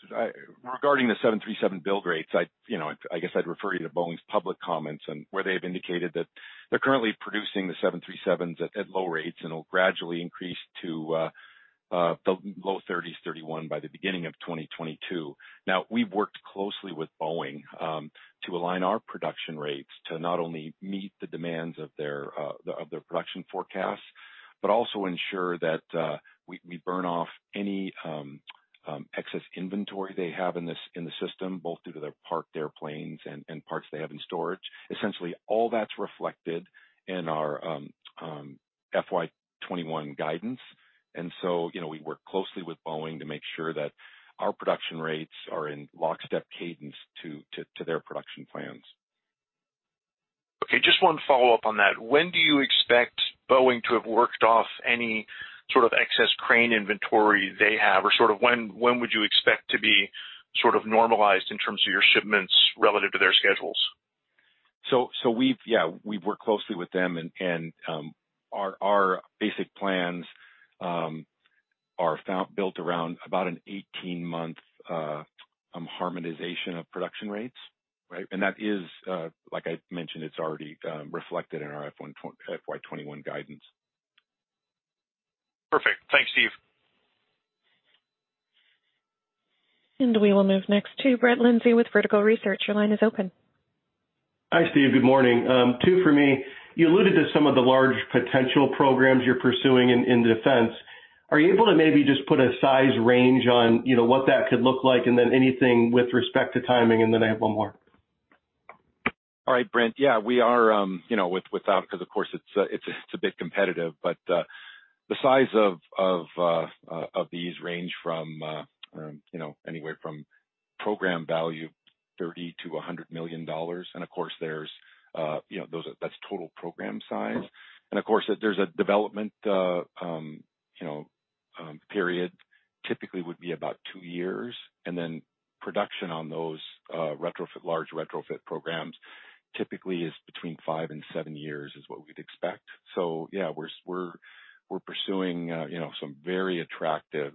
regarding the 737 build rates, I guess I'd refer you to Boeing's public comments and where they've indicated that they're currently producing the 737s at low rates, and it'll gradually increase to the low 30s, 31, by the beginning of 2022. Now, we've worked closely with Boeing to align our production rates to not only meet the demands of their production forecasts, but also ensure that we burn off any excess inventory they have in the system, both due to their parked airplanes and parts they have in storage. Essentially, all that's reflected in our FY 2021 guidance. We work closely with Boeing to make sure that our production rates are in lockstep cadence to their production plans. Just one follow-up on that. When do you expect Boeing to have worked off any sort of excess Crane inventory they have? When would you expect to be sort of normalized in terms of your shipments relative to their schedules? We've worked closely with them, and our basic plans are built around about an 18-month harmonization of production rates, right? That is, like I mentioned, it's already reflected in our FY 2021 guidance. Perfect. Thanks, Steve. We will move next to Brett Linzey with Vertical Research. Your line is open. Hi, Steve. Good morning. Two for me. You alluded to some of the large potential programs you're pursuing in defense. Are you able to maybe just put a size range on what that could look like, and then anything with respect to timing? I have one more. All right, Brett. Yeah, we are with that, because of course it's a bit competitive, but the size of these range anywhere from program value $30 million-$100 million. Of course, that's total program size. Of course, there's a development period, typically would be about two years. Production on those large retrofit programs typically is between five and seven years, is what we'd expect. Yeah, we're pursuing some very attractive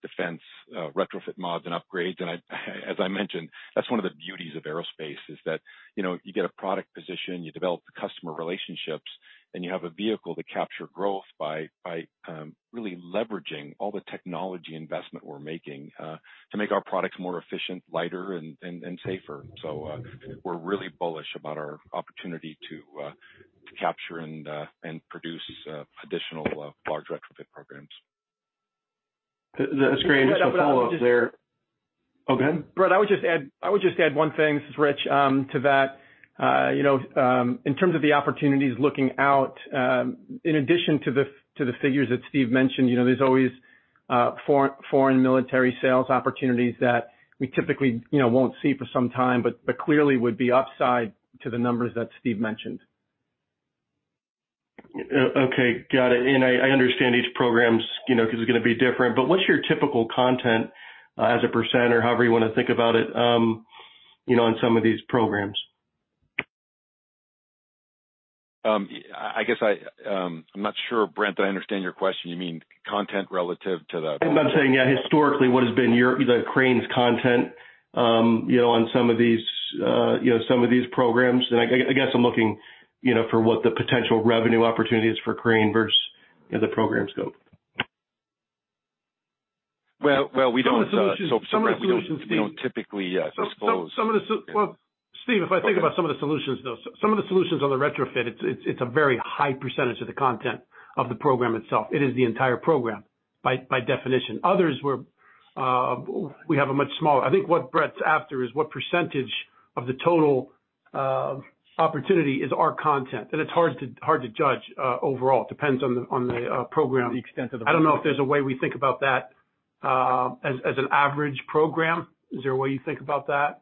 defense retrofit mods and upgrades. As I mentioned, that's one of the beauties of aerospace, is that you get a product position, you develop the customer relationships, then you have a vehicle to capture growth by really leveraging all the technology investment we're making to make our products more efficient, lighter, and safer. We're really bullish about our opportunity to capture and produce these additional large retrofit programs. That's great. Just a follow-up there. Oh, go ahead. Brett, I would just add one thing, this is Rich, to that. In terms of the opportunities looking out, in addition to the figures that Steve mentioned, there's always foreign military sales opportunities that we typically won't see for some time, but clearly would be upside to the numbers that Steve mentioned. Okay, got it. I understand each program is going to be different, but what's your typical content as a % or however you want to think about it on some of these programs? I guess I'm not sure, Brett, that I understand your question. You mean content relative to the- I'm saying, yeah, historically, what has been the Crane's content on some of these programs? I guess I'm looking for what the potential revenue opportunity is for Crane versus the program scope. Well, we don't- Some of the solutions, Steve- We don't typically disclose. Well, Steve, if I think about some of the solutions, though, some of the solutions on the retrofit, it's a very high percentage of the content of the program itself. It is the entire program by definition. Others, we have a much smaller. I think what Brett's after is what percentage of the total opportunity is our content, and it's hard to judge overall. Depends on the program. The extent of the program. I don't know if there's a way we think about that as an average program. Is there a way you think about that?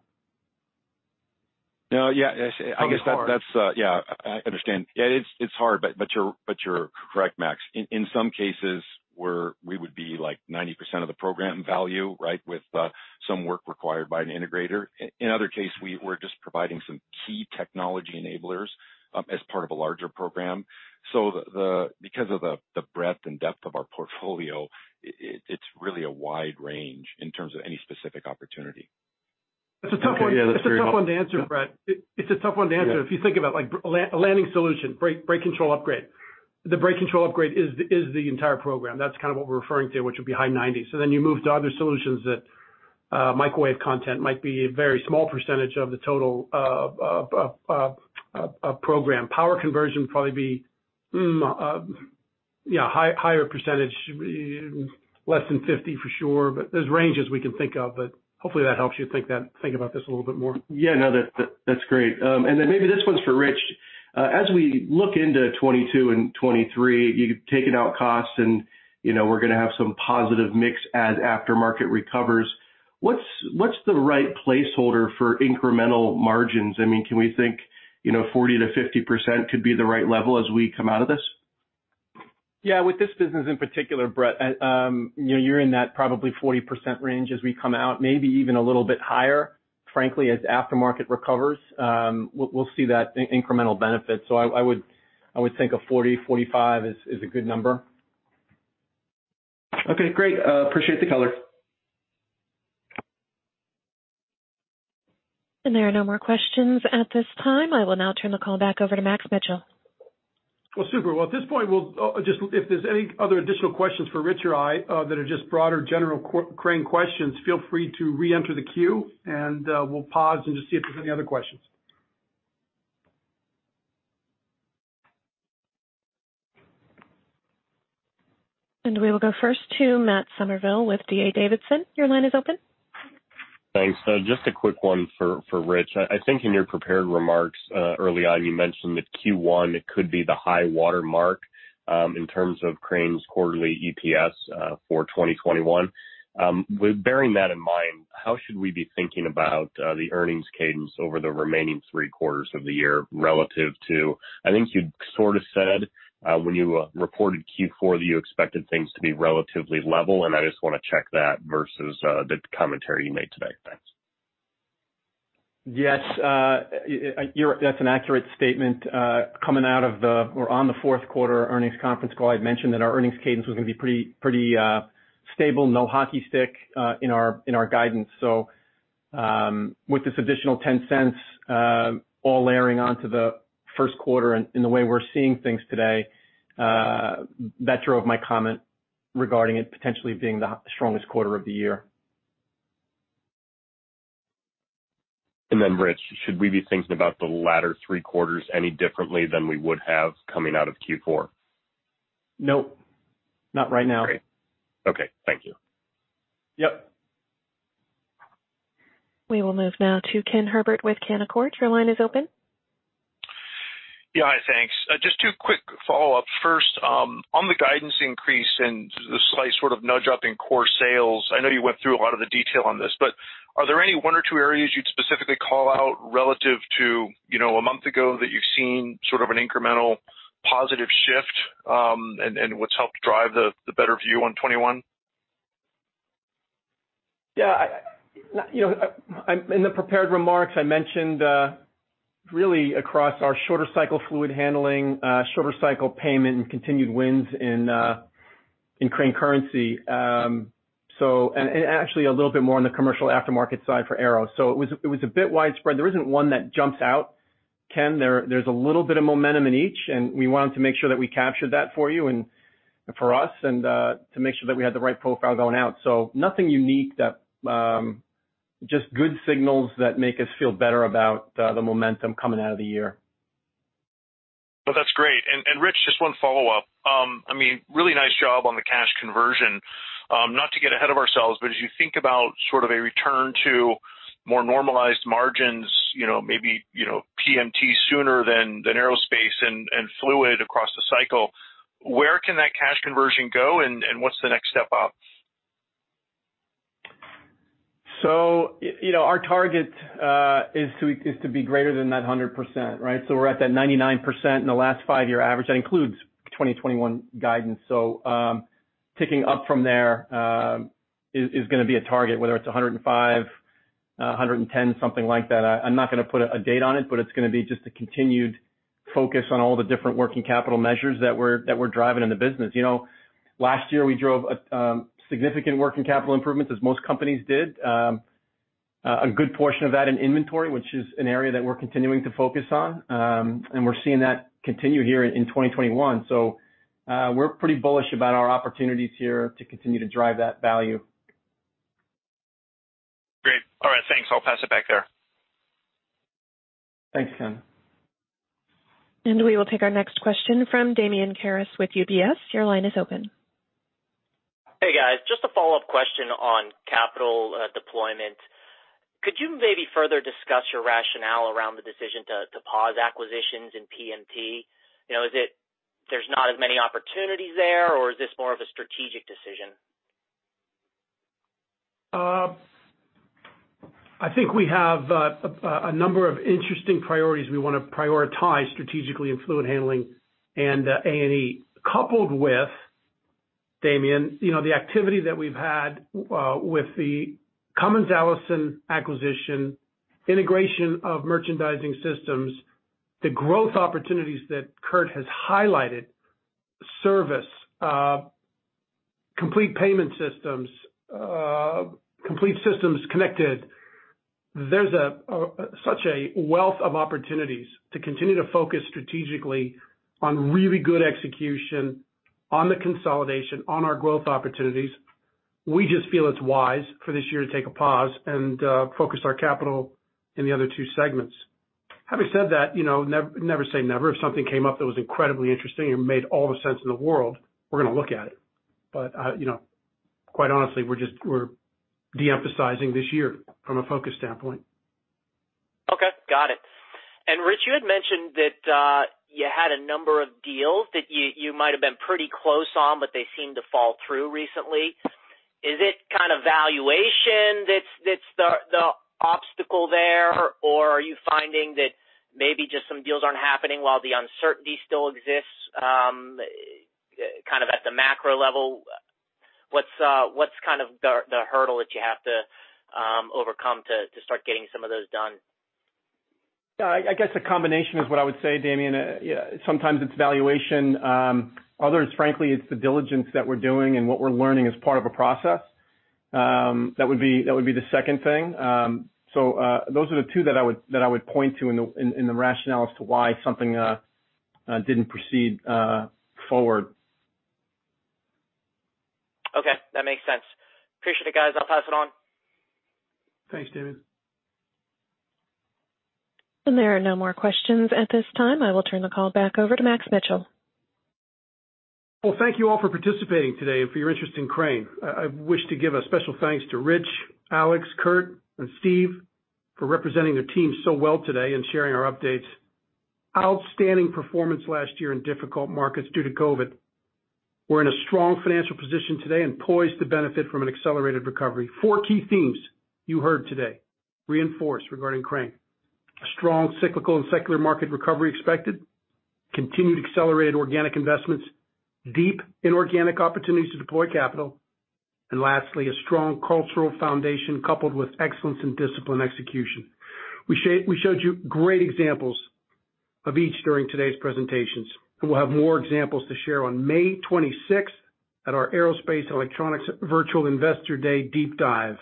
No. Yeah. Probably hard. I guess. Yeah, I understand. Yeah, it's hard, but you're correct, Max. In some cases, we would be like 90% of the program value with some work required by an integrator. In other case, we're just providing some key technology enablers as part of a larger program. Because of the breadth and depth of our portfolio, it's really a wide range in terms of any specific opportunity. That's a tough one to answer, Brett. It's a tough one to answer. If you think about a landing solution, brake control upgrade. The brake control upgrade is the entire program. That's kind of what we're referring to, which would be high 90s. You move to other solutions that microwave content might be a very small % of the total of a program. Power conversion would probably be a higher %. Less than 50 for sure. There's ranges we can think of, hopefully that helps you think about this a little bit more. Yeah, no, that's great. Then maybe this one's for Rich. As we look into 2022 and 2023, you've taken out costs, and we're going to have some positive mix as aftermarket recovers. What's the right placeholder for incremental margins? Can we think 40%-50% could be the right level as we come out of this? Yeah. With this business in particular, Brett, you're in that probably 40% range as we come out, maybe even a little bit higher, frankly, as aftermarket recovers. We'll see that incremental benefit. I would think a 40, 45 is a good number. Okay, great. Appreciate the color. There are no more questions at this time. I will now turn the call back over to Max Mitchell. Well, super. Well, at this point, if there's any other additional questions for Rich or I that are just broader general Crane questions, feel free to reenter the queue, and we'll pause and just see if there's any other questions. We will go first to Matt Summerville with D.A. Davidson. Your line is open. Thanks. Just a quick one for Rich. I think in your prepared remarks early on, you mentioned that Q1 could be the high watermark in terms of Crane's quarterly EPS for 2021. With bearing that in mind, how should we be thinking about the earnings cadence over the remaining three quarters of the year? I think you sort of said when you reported Q4 that you expected things to be relatively level, and I just want to check that versus the commentary you made today. Thanks. Yes. That's an accurate statement. Coming out of the, or on the fourth quarter earnings conference call, I had mentioned that our earnings cadence was going to be pretty stable. No hockey stick in our guidance. With this additional $0.10 all layering onto the first quarter and the way we're seeing things today, that drove my comment regarding it potentially being the strongest quarter of the year. Rich, should we be thinking about the latter three quarters any differently than we would have coming out of Q4? No, not right now. Great. Okay. Thank you. Yep. We will move now to Ken Herbert with Canaccord. Your line is open. Yeah. Hi, thanks. Just two quick follow-ups. First, on the guidance increase and the slight sort of nudge up in core sales, I know you went through a lot of the detail on this, but are there any one or two areas you'd specifically call out relative to a month ago that you've seen sort of an incremental positive shift, and what's helped drive the better view on 2021? Yeah. In the prepared remarks, I mentioned really across our shorter cycle fluid handling, shorter cycle payment, and continued wins in Crane Currency. Actually a little bit more on the commercial aftermarket side for Aero. It was a bit widespread. There isn't one that jumps out, Ken. There's a little bit of momentum in each, and we wanted to make sure that we captured that for you and for us, and to make sure that we had the right profile going out. Nothing unique. Just good signals that make us feel better about the momentum coming out of the year. Well, that's great. Rich, just one follow-up. Really nice job on the cash conversion. Not to get ahead of ourselves, but as you think about sort of a return to more normalized margins, maybe PMT sooner than Aerospace and Fluid across the cycle, where can that cash conversion go, and what's the next step up? Our target is to be greater than that 100%, right? We're at that 99% in the last five-year average. That includes 2021 guidance. Ticking up from there is going to be a target, whether it's 105, 110, something like that. I'm not going to put a date on it, but it's going to be just a continued focus on all the different working capital measures that we're driving in the business. Last year, we drove significant working capital improvements, as most companies did. A good portion of that in inventory, which is an area that we're continuing to focus on. We're seeing that continue here in 2021. We're pretty bullish about our opportunities here to continue to drive that value. Great. All right, thanks. I'll pass it back there. Thanks, Ken. We will take our next question from Damian Karas with UBS. Your line is open. Hey, guys. Just a follow-up question on capital deployment. Could you maybe further discuss your rationale around the decision to pause acquisitions in PMT? Is it there's not as many opportunities there, or is this more of a strategic decision? I think we have a number of interesting priorities we want to prioritize strategically in Fluid Handling and A&E, coupled with, Damian, the activity that we've had with the Cummins Allison acquisition, integration of merchandising systems, the growth opportunities that Kurt has highlighted, service, complete payment systems, complete systems connected. There's such a wealth of opportunities to continue to focus strategically on really good execution on the consolidation, on our growth opportunities. We just feel it's wise for this year to take a pause and focus our capital in the other two segments. Having said that, never say never. If something came up that was incredibly interesting and made all the sense in the world, we're going to look at it. Quite honestly, we're de-emphasizing this year from a focus standpoint. Okay, got it. Rich, you had mentioned that you had a number of deals that you might've been pretty close on, but they seemed to fall through recently. Is it kind of valuation that's the obstacle there, or are you finding that maybe just some deals aren't happening while the uncertainty still exists kind of at the macro level? What's the hurdle that you have to overcome to start getting some of those done? I guess a combination is what I would say, Damian. Sometimes it's valuation. Others, frankly, it's the diligence that we're doing and what we're learning as part of a process. That would be the second thing. Those are the two that I would point to in the rationale as to why something didn't proceed forward. Okay, that makes sense. Appreciate it, guys. I'll pass it on. Thanks, Damian. There are no more questions at this time. I will turn the call back over to Max Mitchell. Well, thank you all for participating today and for your interest in Crane. I wish to give a special thanks to Rich, Alex, Kurt, and Steve for representing their team so well today and sharing our updates. Outstanding performance last year in difficult markets due to COVID. We're in a strong financial position today and poised to benefit from an accelerated recovery. Four key themes you heard today reinforced regarding Crane: a strong cyclical and secular market recovery expected, continued accelerated organic investments, deep inorganic opportunities to deploy capital, lastly, a strong cultural foundation coupled with excellence in disciplined execution. We showed you great examples of each during today's presentations. We'll have more examples to share on May 26th at our Aerospace & Electronics Virtual Investor Day Deep Dive.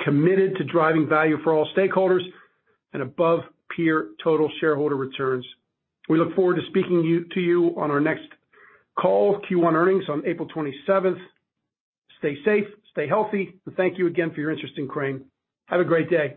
Committed to driving value for all stakeholders and above-peer total shareholder returns. We look forward to speaking to you on our next call, Q1 earnings on April 27th. Stay safe, stay healthy, and thank you again for your interest in Crane. Have a great day.